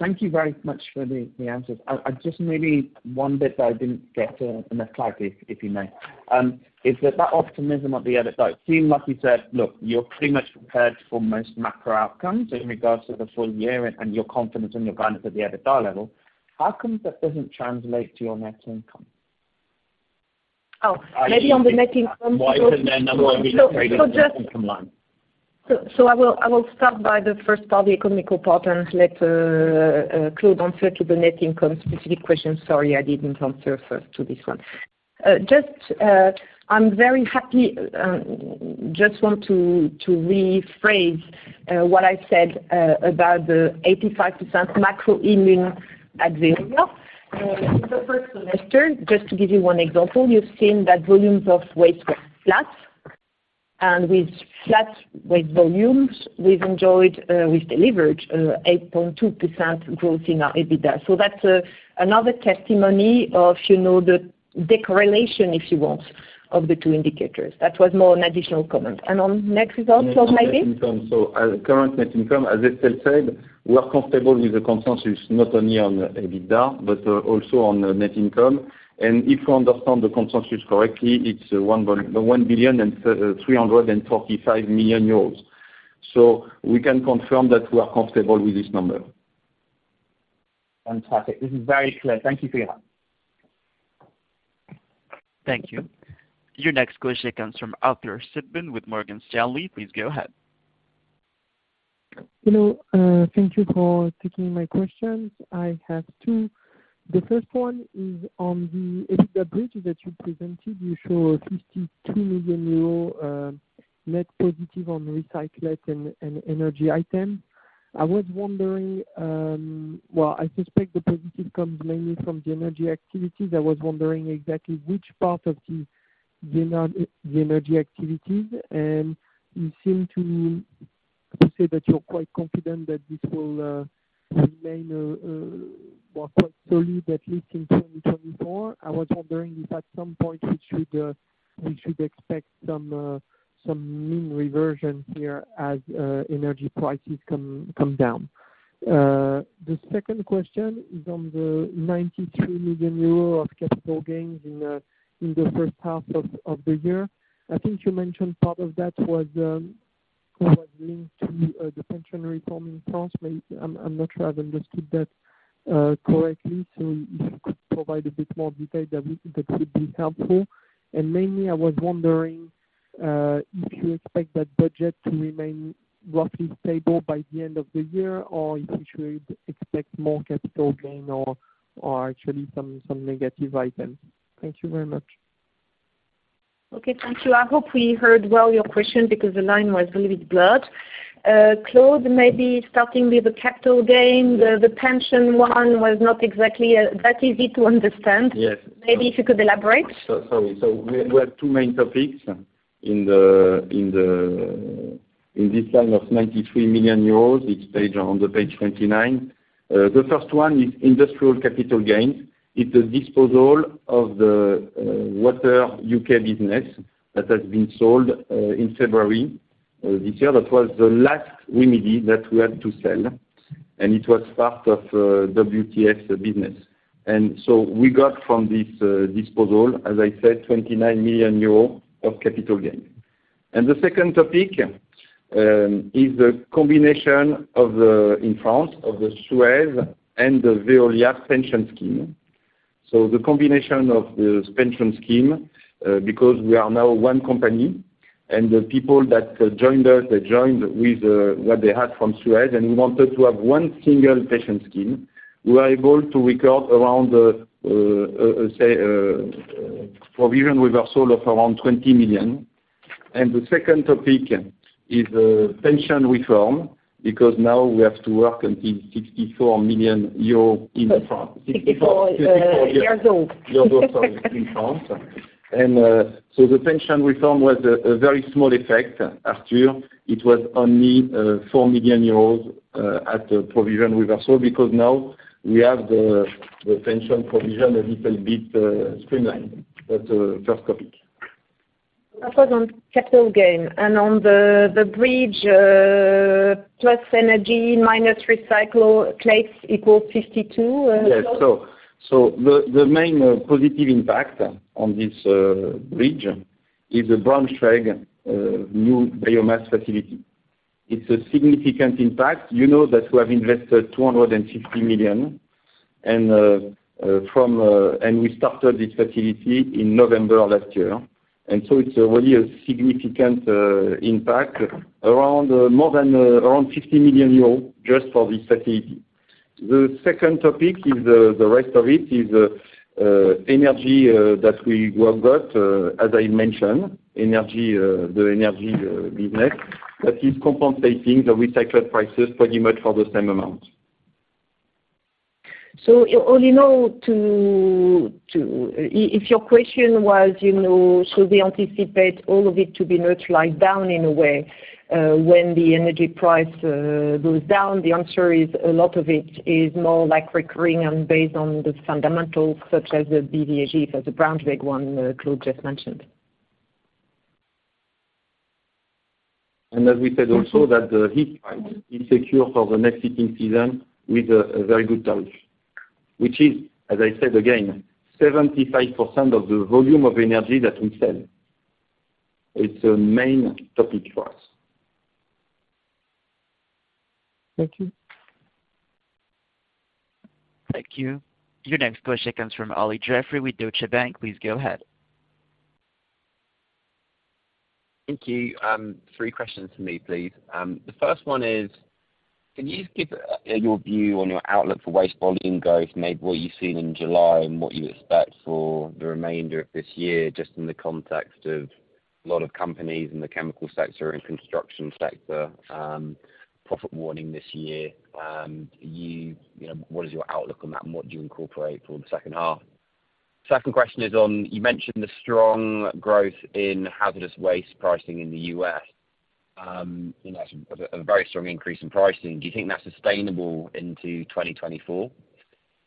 Thank you very much for the answers. I just maybe one bit that I didn't get, and that's likely, if you may, is that, that optimism of the other side. Seemed like you said, Look, you're pretty much prepared for most macro outcomes in regards to the full year and your confidence in your guidance at the EBITDA level. How come that doesn't translate to your net income?
Oh, maybe on the net income.
Why isn't that number being traded on the income line?
I will, I will start by the first part, the economical part, and let Claude answer to the net income specific question. Sorry, I didn't answer first to this one. Just, I'm very happy, just want to, to rephrase what I said about the 85% macro indexing at Veolia. In the first semester, just to give you one example, you've seen that volumes of Waste were flat. With flat Waste volumes, we've enjoyed, we've delivered 8.2% growth in our EBITDA. That's another testimony of, you know, the decorrelation, if you want, of the two indicators. That was more an additional comment. On next results, Claude, maybe?
As current net income, as Estelle said, we are comfortable with the consensus, not only on EBITDA, but also on the net income. If you understand the consensus correctly, it's 1,445 million euros. We can confirm that we are comfortable with this number.
Fantastic. This is very clear. Thank you for your help.
Thank you. Your next question comes from Arthur Sitbon with Morgan Stanley. Please go ahead.
Hello, thank you for taking my questions. I have two. The first one is on the EBITDA bridge that you presented. You show a 52 million euro net positive on recyclate and energy item. I was wondering, well, I suspect the positive comes mainly from the Energy activities. I was wondering exactly which part of the Energy activities, and you seem to say that you're quite confident that this will remain, well, quite solid, at least in 2024. I was wondering if at some point, we should expect some mean reversion here as Energy prices come down. The second question is on the 92 million euro of capital gains in the first half of the year. I think you mentioned part of that was linked to the pension reform in France. Maybe I'm, I'm not sure I've understood that correctly. If you could provide a bit more detail, that would, that would be helpful. Mainly, I was wondering if you expect that budget to remain roughly stable by the end of the year, or if we should expect more capital gain or, or actually some, some negative items. Thank you very much.
Okay, thank you. I hope we heard well your question because the line was a little bit blurred. Claude, maybe starting with the capital gain, the pension one was not exactly that easy to understand.
Yes.
Maybe if you could elaborate.
We have two main topics. In this line of 93 million euros, it's on page 29. The first one is industrial capital gains. It's the disposal of the Water U.K. business that has been sold in February. This year, that was the last remedy that we had to sell, and it was part of WTS business. We got from this disposal, as I said, 29 million euros of capital gain. The second topic is the combination of the, in France, of the SUEZ and the Veolia pension scheme. The combination of this pension scheme, because we are now one company, and the people that joined us, they joined with what they had from SUEZ, and we wanted to have one single pension scheme. We were able to record around the provision reversal of around 20 million. The second topic is pension reform, because now we have to work on in 64 million euros in France.
64 years old.
Sorry, in France. So the pension reform was a very small effect, Arthur. It was only 4 million euros at the provision reversal, because now we have the pension provision a little bit streamlined. That's the first topic.
That was on capital gain. On the, the bridge, plus energy, minus recycle, Claes, equals 52, Claude?
Yes. The main positive impact on this bridge is the Braunschweig new biomass facility. It's a significant impact. You know that we have invested 250 million. We started this facility in November of last year, and so it's really a significant impact. Around more than 50 million euros just for this facility. The second topic is the rest of it, is Energy that we have got, as I mentioned, Energy, the Energy business, that is compensating the recycled prices pretty much for the same amount.
All in all, If your question was, you know, should we anticipate all of it to be neutralized down in a way, when the Energy price goes down? The answer is, a lot of it is more like recurring and based on the fundamentals, such as the BVGF, as the Braunschweig one, Claude just mentioned.
as we said also, that the heat is secure for the next heating season with a very good tariff, which is, as I said again, 75% of the volume of Energy that we sell. It's a main topic for us.
Thank you.
Thank you. Your next question comes from Olly Jeffery with Deutsche Bank. Please go ahead.
Thank you. Three questions for me, please. The first one is, can you give your view on your outlook for Waste volume growth, maybe what you've seen in July and what you expect for the remainder of this year, just in the context of a lot of companies in the chemical sector and construction sector, profit warning this year? You know, what is your outlook on that, and what do you incorporate for the second half? Second question is on, you mentioned the strong growth in hazardous waste pricing in the U.S. You know, a very strong increase in pricing. Do you think that's sustainable into 2024?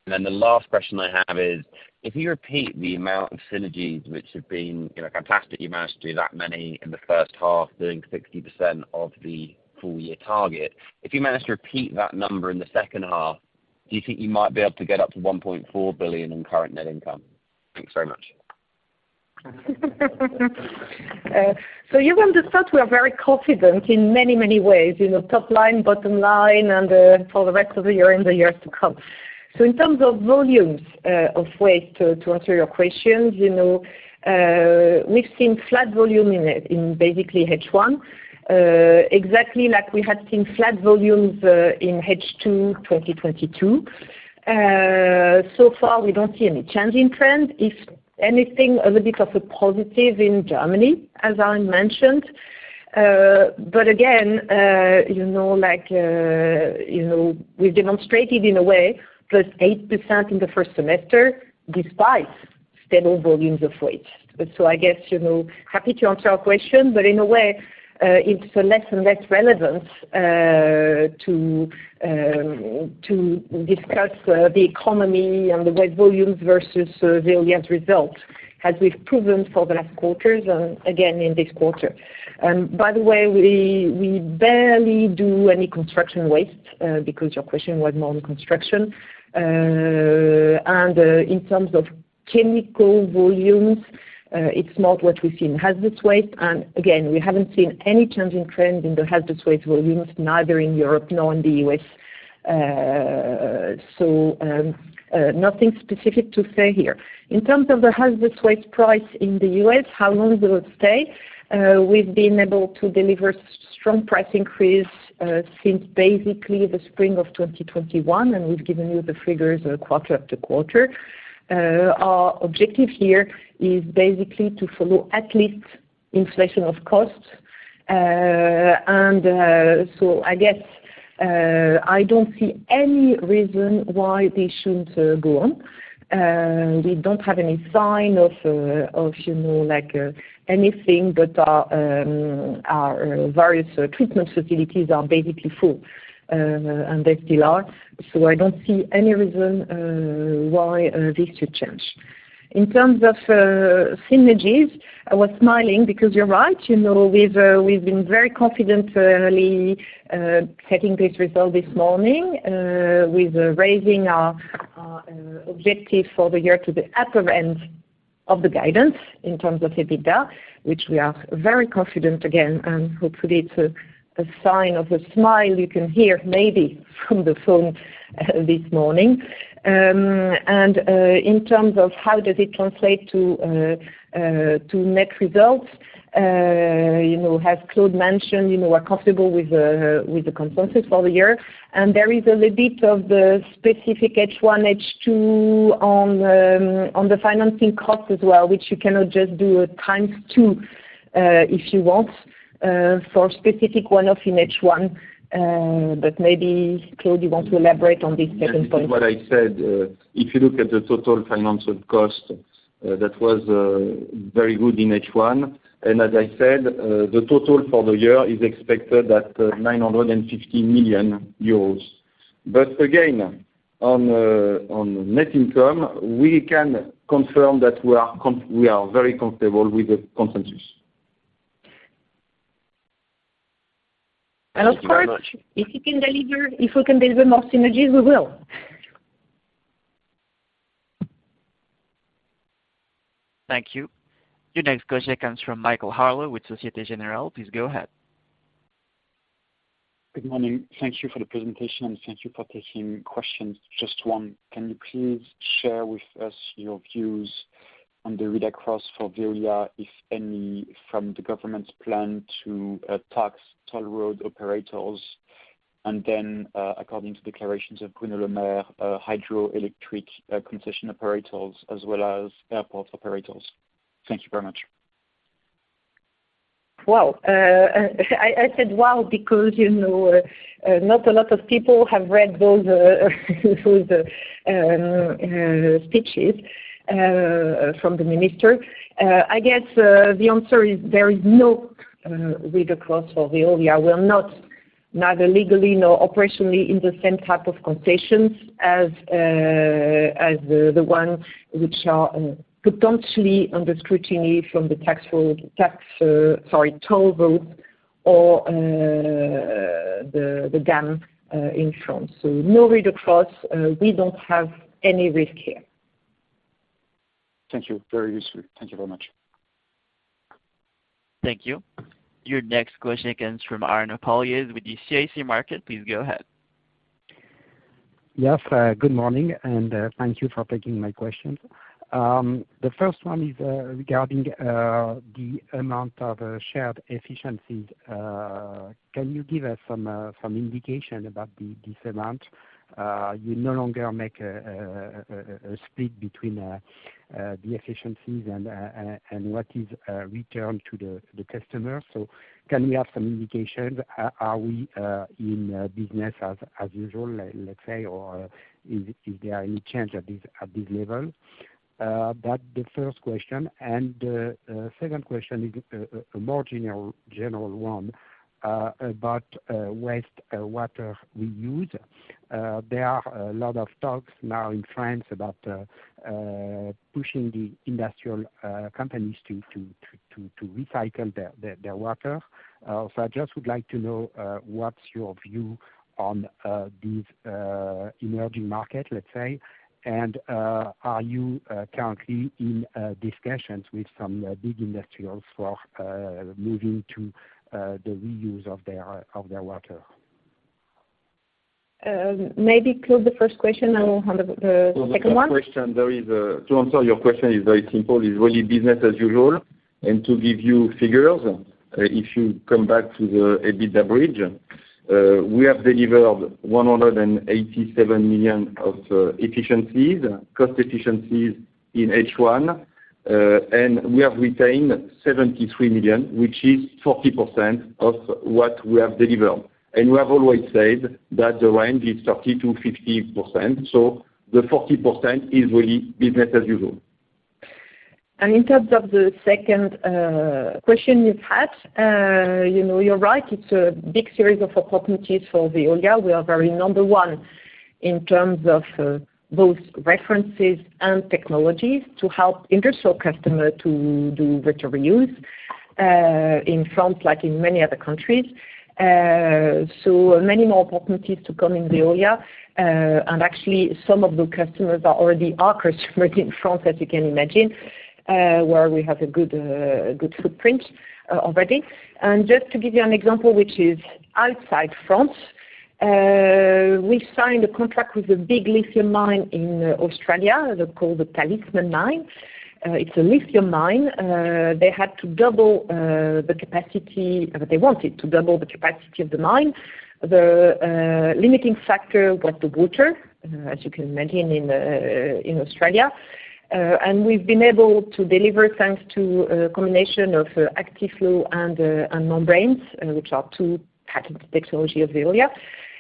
Then the last question I have is, if you repeat the amount of synergies which have been, you know, fantastic, you managed to do that many in the first half, doing 60% of the full year target. If you manage to repeat that number in the second half, do you think you might be able to get up to 1.4 billion in current net income? Thanks very much.
You understand, we are very confident in many, many ways, you know, top line, bottom line, and for the rest of the year and the years to come. In terms of volumes of Waste, to answer your questions, you know, we've seen flat volume in basically H1, exactly like we had seen flat volumes in H2 2022. So far, we don't see any change in trend. If anything, a little bit of a positive in Germany, as Aaron mentioned. Again, you know, like, you know, we've demonstrated in a way, +8% in the first semester, despite stable volumes of Waste. I guess, you know, happy to answer our question, but in a way, it's less and less relevant to discuss the economy and the Waste volumes versus Veolia's result, as we've proven for the last quarters and again in this quarter. By the way, we, we barely do any construction waste, because your question was more on construction. In terms of chemical volumes, it's not what we see in hazardous waste. Again, we haven't seen any change in trend in the hazardous waste volumes, neither in Europe nor in the U.S. Nothing specific to say here. In terms of the hazardous waste price in the U.S., how long will it stay? We've been able to deliver strong price increase since basically the spring of 2021, and we've given you the figures quarter after quarter. Our objective here is basically to follow at least inflation of costs. I guess, I don't see any reason why they shouldn't go on. We don't have any sign of, of, you know, like, anything but our various treatment facilities are basically full, and they still are, so I don't see any reason why this should change. In terms of synergies, I was smiling because you're right, you know, we've, we've been very confidently setting this result this morning, with raising our objective for the year to the upper end of the guidance in terms of EBITDA, which we are very confident again, and hopefully it's a sign of a smile you can hear maybe from the phone this morning. In terms of how does it translate to net results, you know, as Claude mentioned, you know, we're comfortable with the consensus for the year. There is a little bit of the specific H1, H2 on the financing cost as well, which you cannot just do a times two, if you want, for specific one-off in H1. Maybe, Claude, you want to elaborate on this second point?
What I said, if you look at the total financial cost, that was very good in H1. As I said, the total for the year is expected at 950 million euros. Again, on the, on net income, we can confirm that we are very comfortable with the consensus.
Of course.
Thank you very much.
If we can deliver, if we can deliver more synergies, we will.
Thank you. Your next question comes from Michael Harleaux with Société Générale. Please go ahead.
Good morning. Thank you for the presentation. Thank you for taking questions. Just one, can you please share with us your views on the read-across for Veolia, if any, from the government's plan to tax toll road operators? According to declarations of Bruno Le Maire, hydroelectric concession operators as well as airport operators. Thank you very much.
Wow! I, I said wow, because, you know, not a lot of people have read those, those, speeches, from the minister. I guess, the answer is there is no read-across for Veolia. We are not, neither legally nor operationally in the same type of concessions as, as the, the one which are, potentially under scrutiny from the tax road, tax, sorry, toll roads or, the, the dam, in France. No read-across, we don't have any risk here.
Thank you. Very useful. Thank you very much.
Thank you. Your next question comes from Arnaud Palliez with the CIC Market. Please go ahead.
Yes, good morning, and thank you for taking my questions. The first one is regarding the amount of shared efficiencies. Can you give us some indication about this amount? You no longer make a split between the efficiencies and what is returned to the customer. Can we have some indications? Are we in business as usual, let's say, or is there any change at this level? That's the first question. Second question is a more general one about waste water we use. There are a lot of talks now in France about pushing the industrial companies to recycle their water. I just would like to know, what's your view on this emerging market, let's say, and are you currently in discussions with some big industrials for moving to the reuse of their, of their water?
Maybe Claude, the first question, and we'll handle the, the second one.
First question, to answer your question is very simple, is really business as usual. To give you figures, if you come back to the EBITDA bridge, we have delivered 187 million of efficiencies, cost efficiencies in H1, we have retained 73 million, which is 40% of what we have delivered. We have always said that the range is 30%-50%, so the 40% is really business as usual.
In terms of the second question you've had, you know, you're right, it's a big series of opportunities for Veolia. We are very number one in terms of both references and technologies to help industrial customer to do water reuse in France, like in many other countries. Many more opportunities to come in Veolia. Actually, some of the customers are already our customers in France, as you can imagine, where we have a good, a good footprint already. Just to give you an example, which is outside France, we signed a contract with a big lithium mine in Australia, they're called the Talison Mine. It's a lithium mine. They had to double the capacity, they wanted to double the capacity of the mine. The limiting factor was the water, as you can imagine, in Australia. We've been able to deliver thanks to a combination of Actiflo and membranes, which are two patented technology of Veolia.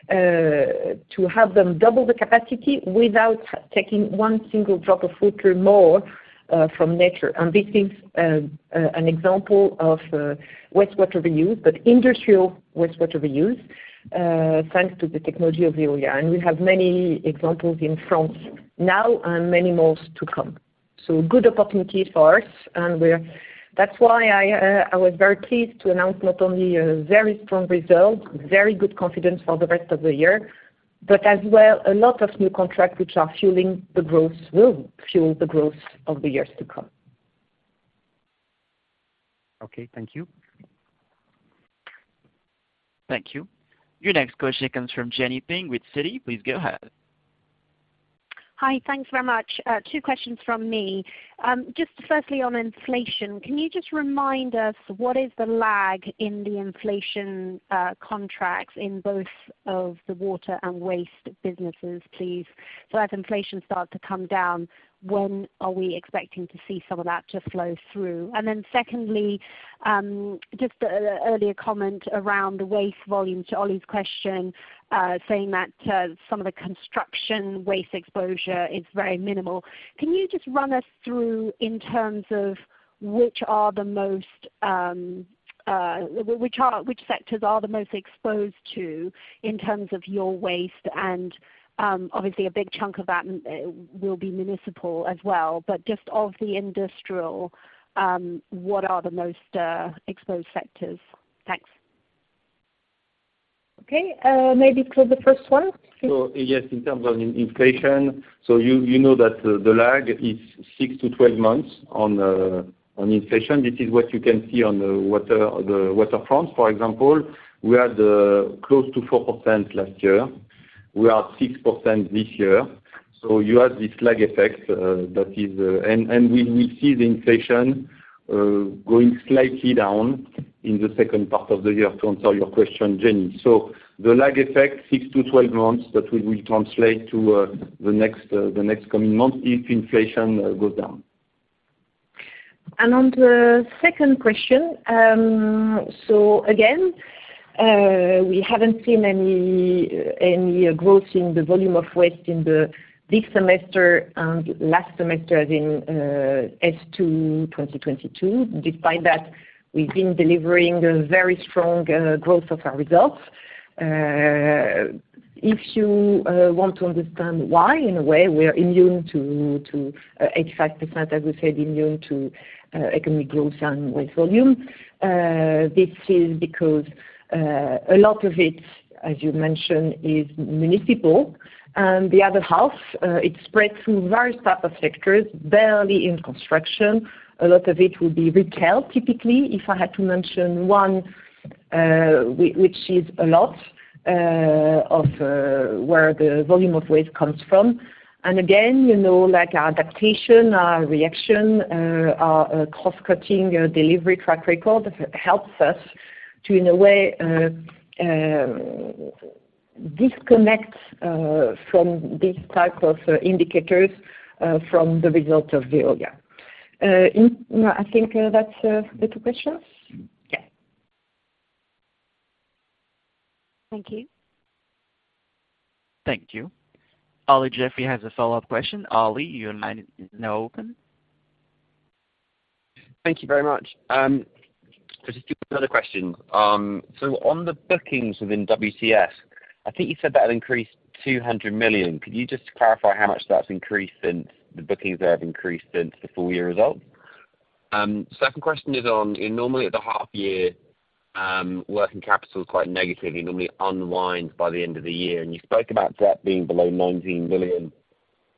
To have them double the capacity without taking one single drop of water more from nature. This is an example of wastewater reuse, but industrial wastewater reuse, thanks to the technology of Veolia. We have many examples in France now, and many more to come. Good opportunity for us, and we're, that's why I was very pleased to announce not only a very strong result, very good confidence for the rest of the year, but as well, a lot of new contracts, which are fueling the growth, will fuel the growth of the years to come.
Okay, thank you.
Thank you. Your next question comes from Jenny Ping with Citi, please go ahead.
Hi, thanks very much. Two questions from me. Just firstly, on inflation, can you just remind us what is the lag in the inflation contracts in both of the Water and Waste businesses, please? As inflation starts to come down, when are we expecting to see some of that to flow through? Secondly, just an earlier comment around the Waste volume to Olly's question, saying that some of the construction waste exposure is very minimal. Can you just run us through in terms of which are the most, which are -- which sectors are the most exposed to in terms of your Waste and, obviously a big chunk of that m- will be municipal as well. Just of the industrial, what are the most exposed sectors? Thanks.
Okay, maybe for the first one?
Yes, in terms of in-inflation, you, you know that the, the lag is six to 12 months on inflation. This is what you can see on the Water, the Water France, for example, we had close to 4% last year. We are 6% this year. You have this lag effect that is. We, we see the inflation going slightly down in the second part of the year, to answer your question, Jenny. The lag effect, six to 12 months, that we will translate to the next, the next coming month if inflation goes down.
On the second question, so again, we haven't seen any, any growth in the volume of Waste in the this semester and last semester as in S2 2022. Despite that, we've been delivering a very strong growth of our results. If you want to understand why, in a way, we are immune to, to 85%, as we said, immune to economic growth and Waste volume, this is because a lot of it, as you mentioned, is municipal. The other half, it spread through various type of sectors, barely in construction. A lot of it will be retail. Typically, if I had to mention one, which is a lot of where the volume of Waste comes from. Again, you know, like our adaptation, our reaction, our cross-cutting delivery track record, helps us to, in a way, disconnect from these type of indicators, from the results of Veolia. I think that's the two questions? Yes.
Thank you.
Thank you. Olly Jeffery has a follow-up question. Olly, your line is now open.
Thank you very much. Just two other questions. On the bookings within WTS, I think you said that increased 200 million. Could you just clarify how much that's increased since the bookings there have increased since the full year results? Second question is on, in normally at the half year, working capital is quite negative. You normally unwind by the end of the year, and you spoke about debt being below 19 billion.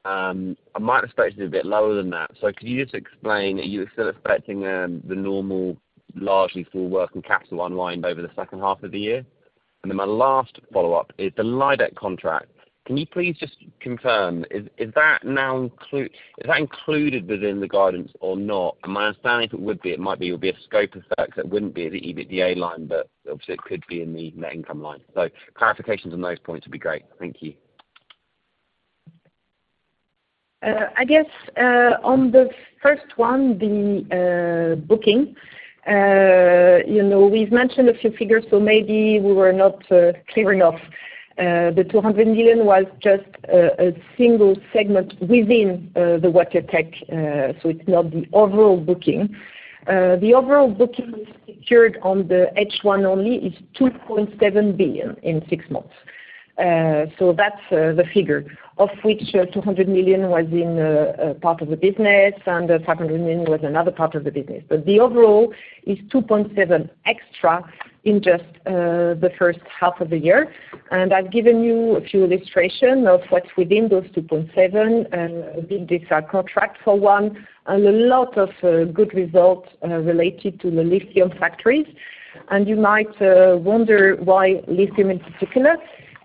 I might expect it a bit lower than that. Could you just explain, are you still expecting the normal, largely full working capital unwind over the second half of the year? My last follow-up is the Lydec contract. Can you please just confirm, is that now included within the guidance or not? My understanding, if it would be, it might be, it would be a scope effect, it wouldn't be the EBITDA line, but obviously, it could be in the net income line. Clarifications on those points would be great. Thank you.
I guess, on the first one, the booking, you know, we've mentioned a few figures, so maybe we were not clear enough. The 200 million was just a single segment within the Water Tech, so it's not the overall booking. The overall booking secured on the H1 only is 2.7 billion in six months. That's the figure, of which 200 million was in a part of the business, and 500 million was another part of the business. The overall is 2.7 extra in just the first half of the year. I've given you a few illustration of what's within those 2.7, and these are contracts for one, and a lot of good results related to the lithium factories. You might wonder why lithium in particular.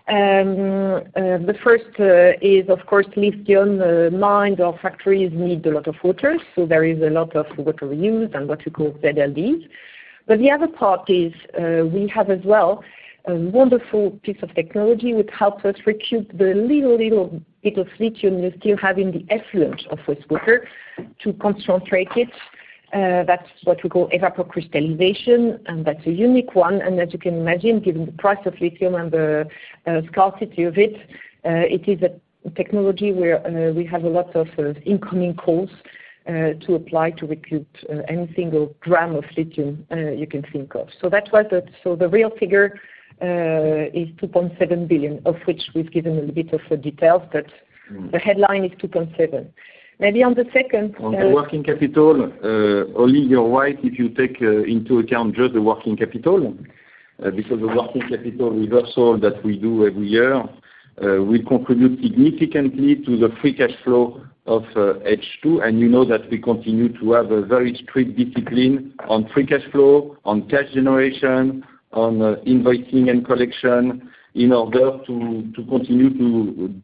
The first is, of course, lithium, mined or factories need a lot of water, so there is a lot of water reuse and what you call ZLD. The other part is, we have as well, a wonderful piece of technology which helps us recruit the little, little, little lithium you still have in the effluent of wastewater to concentrate it. That's what we call evapocrystallization, and that's a unique one. As you can imagine, given the price of lithium and the scarcity of it, it is a technology where we have a lot of incoming calls to apply to recruit any single gram of lithium you can think of. That was it. The real figure is 2.7 billion, of which we've given a little bit of the details.
Mm.
The headline is 2.7. Maybe on the second,
On the working capital, only you're right, if you take into account just the working capital, because the working capital reversal that we do every year, will contribute significantly to the free cash flow of H2. You know that we continue to have a very strict discipline on free cash flow, on cash generation, on invoicing and collection, in order to continue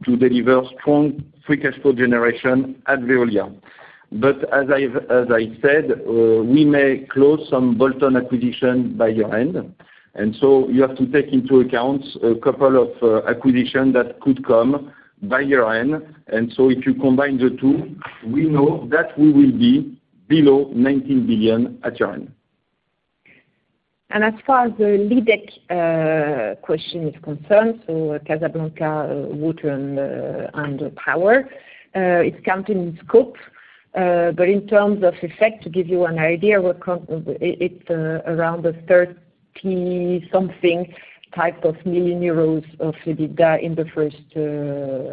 to deliver strong free cash flow generation at Veolia. As I've, as I said, we may close some bolt-on acquisition by year-end, and so you have to take into account a couple of acquisition that could come by year-end. If you combine the two, we know that we will be below 19 billion at year-end.
As far as the Lydec question is concerned, Casablanca Water and Power, it's count in scope. In terms of effect, to give you an idea, around the thirty something type of million euros of EBITDA in the first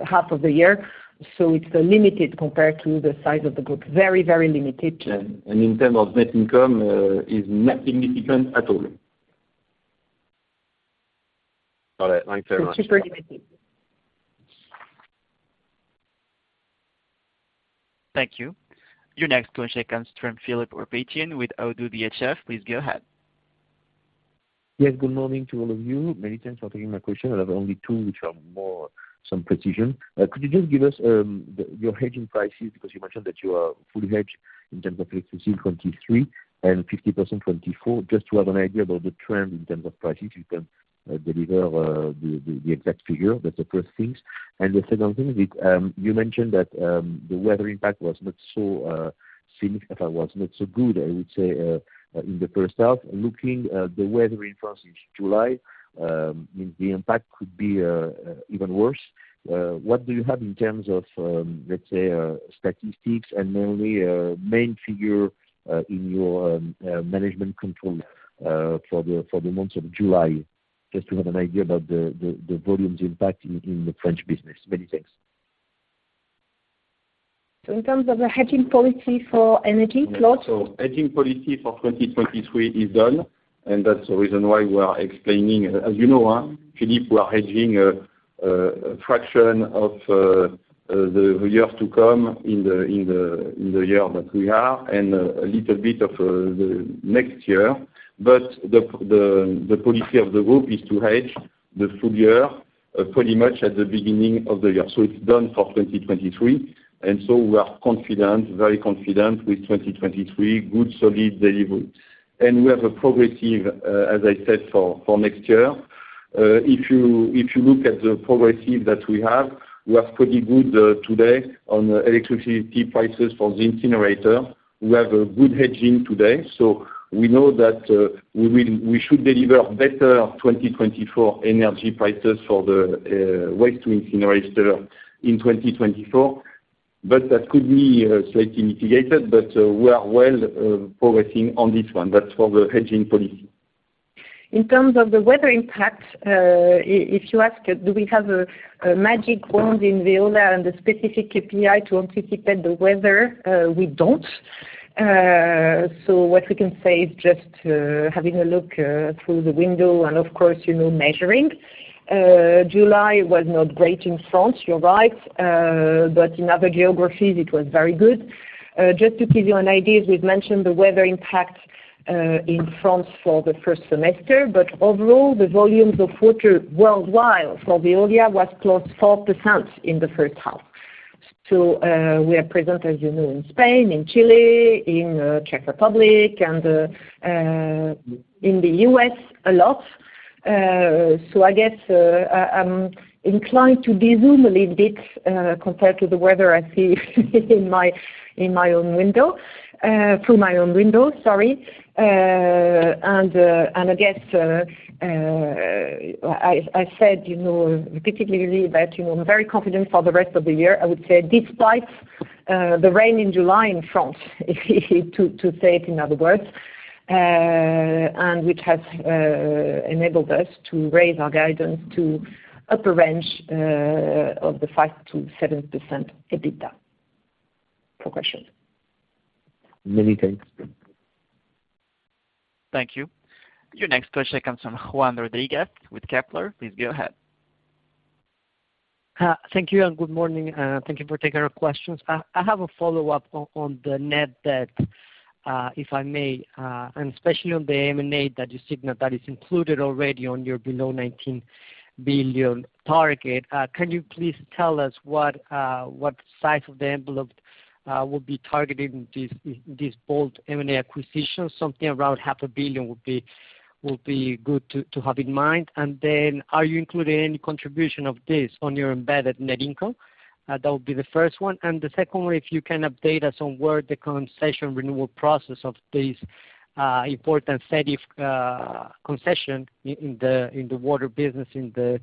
half of the year. It's limited compared to the size of the group. Very, very limited.
In terms of net income, is not significant at all.
All right, thanks very much.
It's super limited.
Thank you. Your next question comes from Philippe Ourpatian with ODDO BHF. Please go ahead.
Yes, good morning to all of you. Many thanks for taking my question. I have only two, which are more some precision. Could you just give us the, your hedging prices? Because you mentioned that you are fully hedged in terms of electricity 2023 and 50% 2024. Just to have an idea about the trend in terms of prices, you can deliver the, the, the exact figure. That's the first things. The second thing is, you mentioned that the weather impact was not so significant, was not so good, I would say, in the first half. Looking at the weather in France in July, the impact could be even worse. What do you have in terms of, let's say, statistics and mainly main figure in your management control for the months of July? Just to have an idea about the volumes impact in the French business. Many thanks.
In terms of the hedging policy for Energy, Claude?
Yeah. Hedging policy for 2023 is done, and that's the reason why we are explaining. As you know, Philippe, we are hedging a fraction of the years to come in the year that we are and a little bit of the next year. The policy of the group is to hedge the full year pretty much at the beginning of the year. It's done for 2023. We are confident, very confident with 2023. Good, solid delivery. We have a progressive, as I said, for next year. If you look at the progressive that we have, we are pretty good today on electricity prices for the incinerator. We have a good hedging today, so we know that we should deliver better 2024 Energy prices for the Waste to incinerator in 2024. That could be slightly mitigated, but we are well progressing on this one. That's for the hedging policy.
In terms of the weather impact, if you ask, do we have a magic wand in Veolia and a specific KPI to anticipate the weather? We don't. What we can say is just having a look through the window and of course, you know, measuring. July was not great in France, you're right. In other geographies, it was very good. Just to give you an idea, as we've mentioned, the weather impact in France for the first semester, overall, the volumes of Water worldwide for Veolia was +4% in the first half. We are present, as you know, in Spain, in Chile, in Czech Republic, and in the U.S., a lot. Uh, so I guess, uh, I'm inclined to zoom a little bit, uh, compared to the weather I see in my, in my own window, uh, through my own window, sorry. Uh, and, uh, and I guess, uh, uh, I, I said, you know, repeatedly that, you know, I'm very confident for the rest of the year. I would say despite, uh, the rain in July in France, to, to say it in other words, uh, and which has, uh, enabled us to raise our guidance to upper range, uh, of the five to seven percent EBITDA progression.
Many thanks.
Thank you. Your next question comes from Juan Rodriguez with Kepler. Please go ahead.
Thank you, and good morning, thank you for taking our questions. I have a follow-up on, on the net debt, if I may, especially on the M&A that you signal that is included already on your below 19 billion target. Can you please tell us what, what size of the envelope, will be targeted in this, this bold M&A acquisition? Something around 500 million would be, would be good to, to have in mind. Then, are you including any contribution of this on your embedded net income? That would be the first one. The second one, if you can update us on where the concession renewal process of this, important set of, concession in, in the, in the Water business, in the,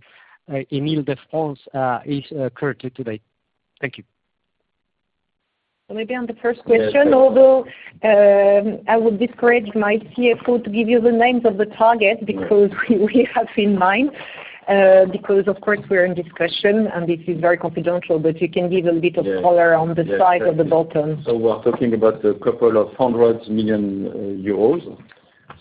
in Ile-de-France, is currently today. Thank you.
Maybe on the first question, although I would discourage my CFO to give you the names of the target, because we, we have in mind, because of course, we're in discussion, and this is very confidential, but you can give a bit of color on the size of the bolt-on.
We're talking about a couple of hundred million euros,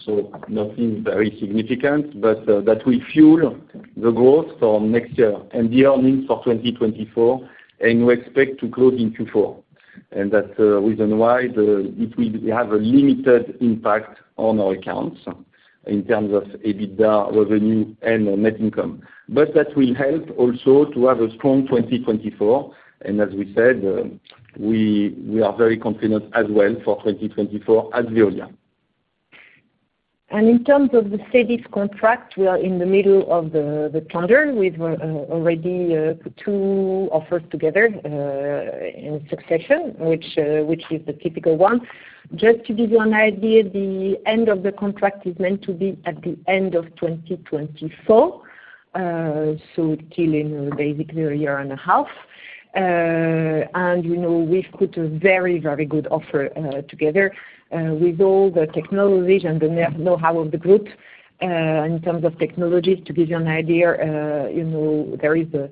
so nothing very significant, but that will fuel the growth for next year and the earnings for 2024, and we expect to close in Q4. That's the reason why it will have a limited impact on our accounts in terms of EBITDA revenue and on net income. That will help also to have a strong 2024, and as we said, we, we are very confident as well for 2024 at Veolia.
In terms of the SEDIF contract, we are in the middle of the tender. We've already put two offers together in succession, which is the typical one. Just to give you an idea, the end of the contract is meant to be at the end of 2024, so till in basically a year and a half. You know, we've put a very, very good offer together with all the technologies and the know-how of the group. In terms of technologies, to give you an idea, you know, there is a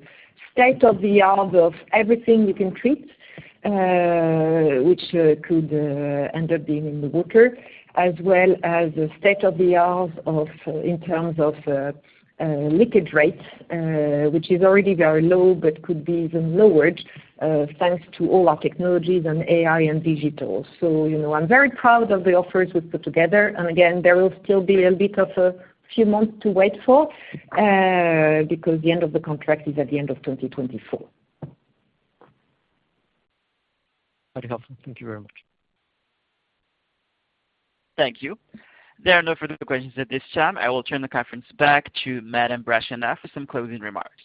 state-of-the-art of everything you can treat, which could end up being in the Water, as well as a state-of-the-art of, in terms of, leakage rates, which is already very low, but could be even lowered, thanks to all our technologies and AI and digital. You know, I'm very proud of the offers we've put together. Again, there will still be a bit of a few months to wait for, because the end of the contract is at the end of 2024.
Very helpful. Thank you very much.
Thank you. There are no further questions at this time. I will turn the conference back to Madame Brachlianoff for some closing remarks.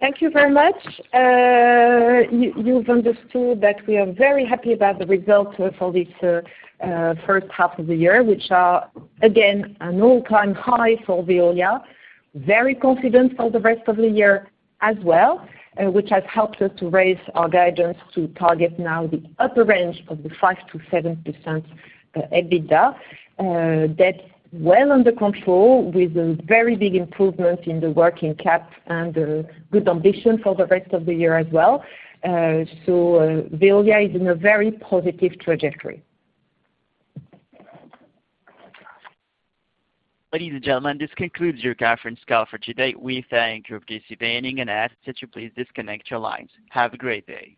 Thank you very much. You, you've understood that we are very happy about the results for this first half of the year, which are, again, an all-time high for Veolia. Very confident for the rest of the year as well, which has helped us to raise our guidance to target now the upper range of the 5%-7% EBITDA. That's well under control, with a very big improvement in the working cap and good ambition for the rest of the year as well. Veolia is in a very positive trajectory.
Ladies and gentlemen, this concludes your conference call for today. We thank you for participating and ask that you please disconnect your lines. Have a great day!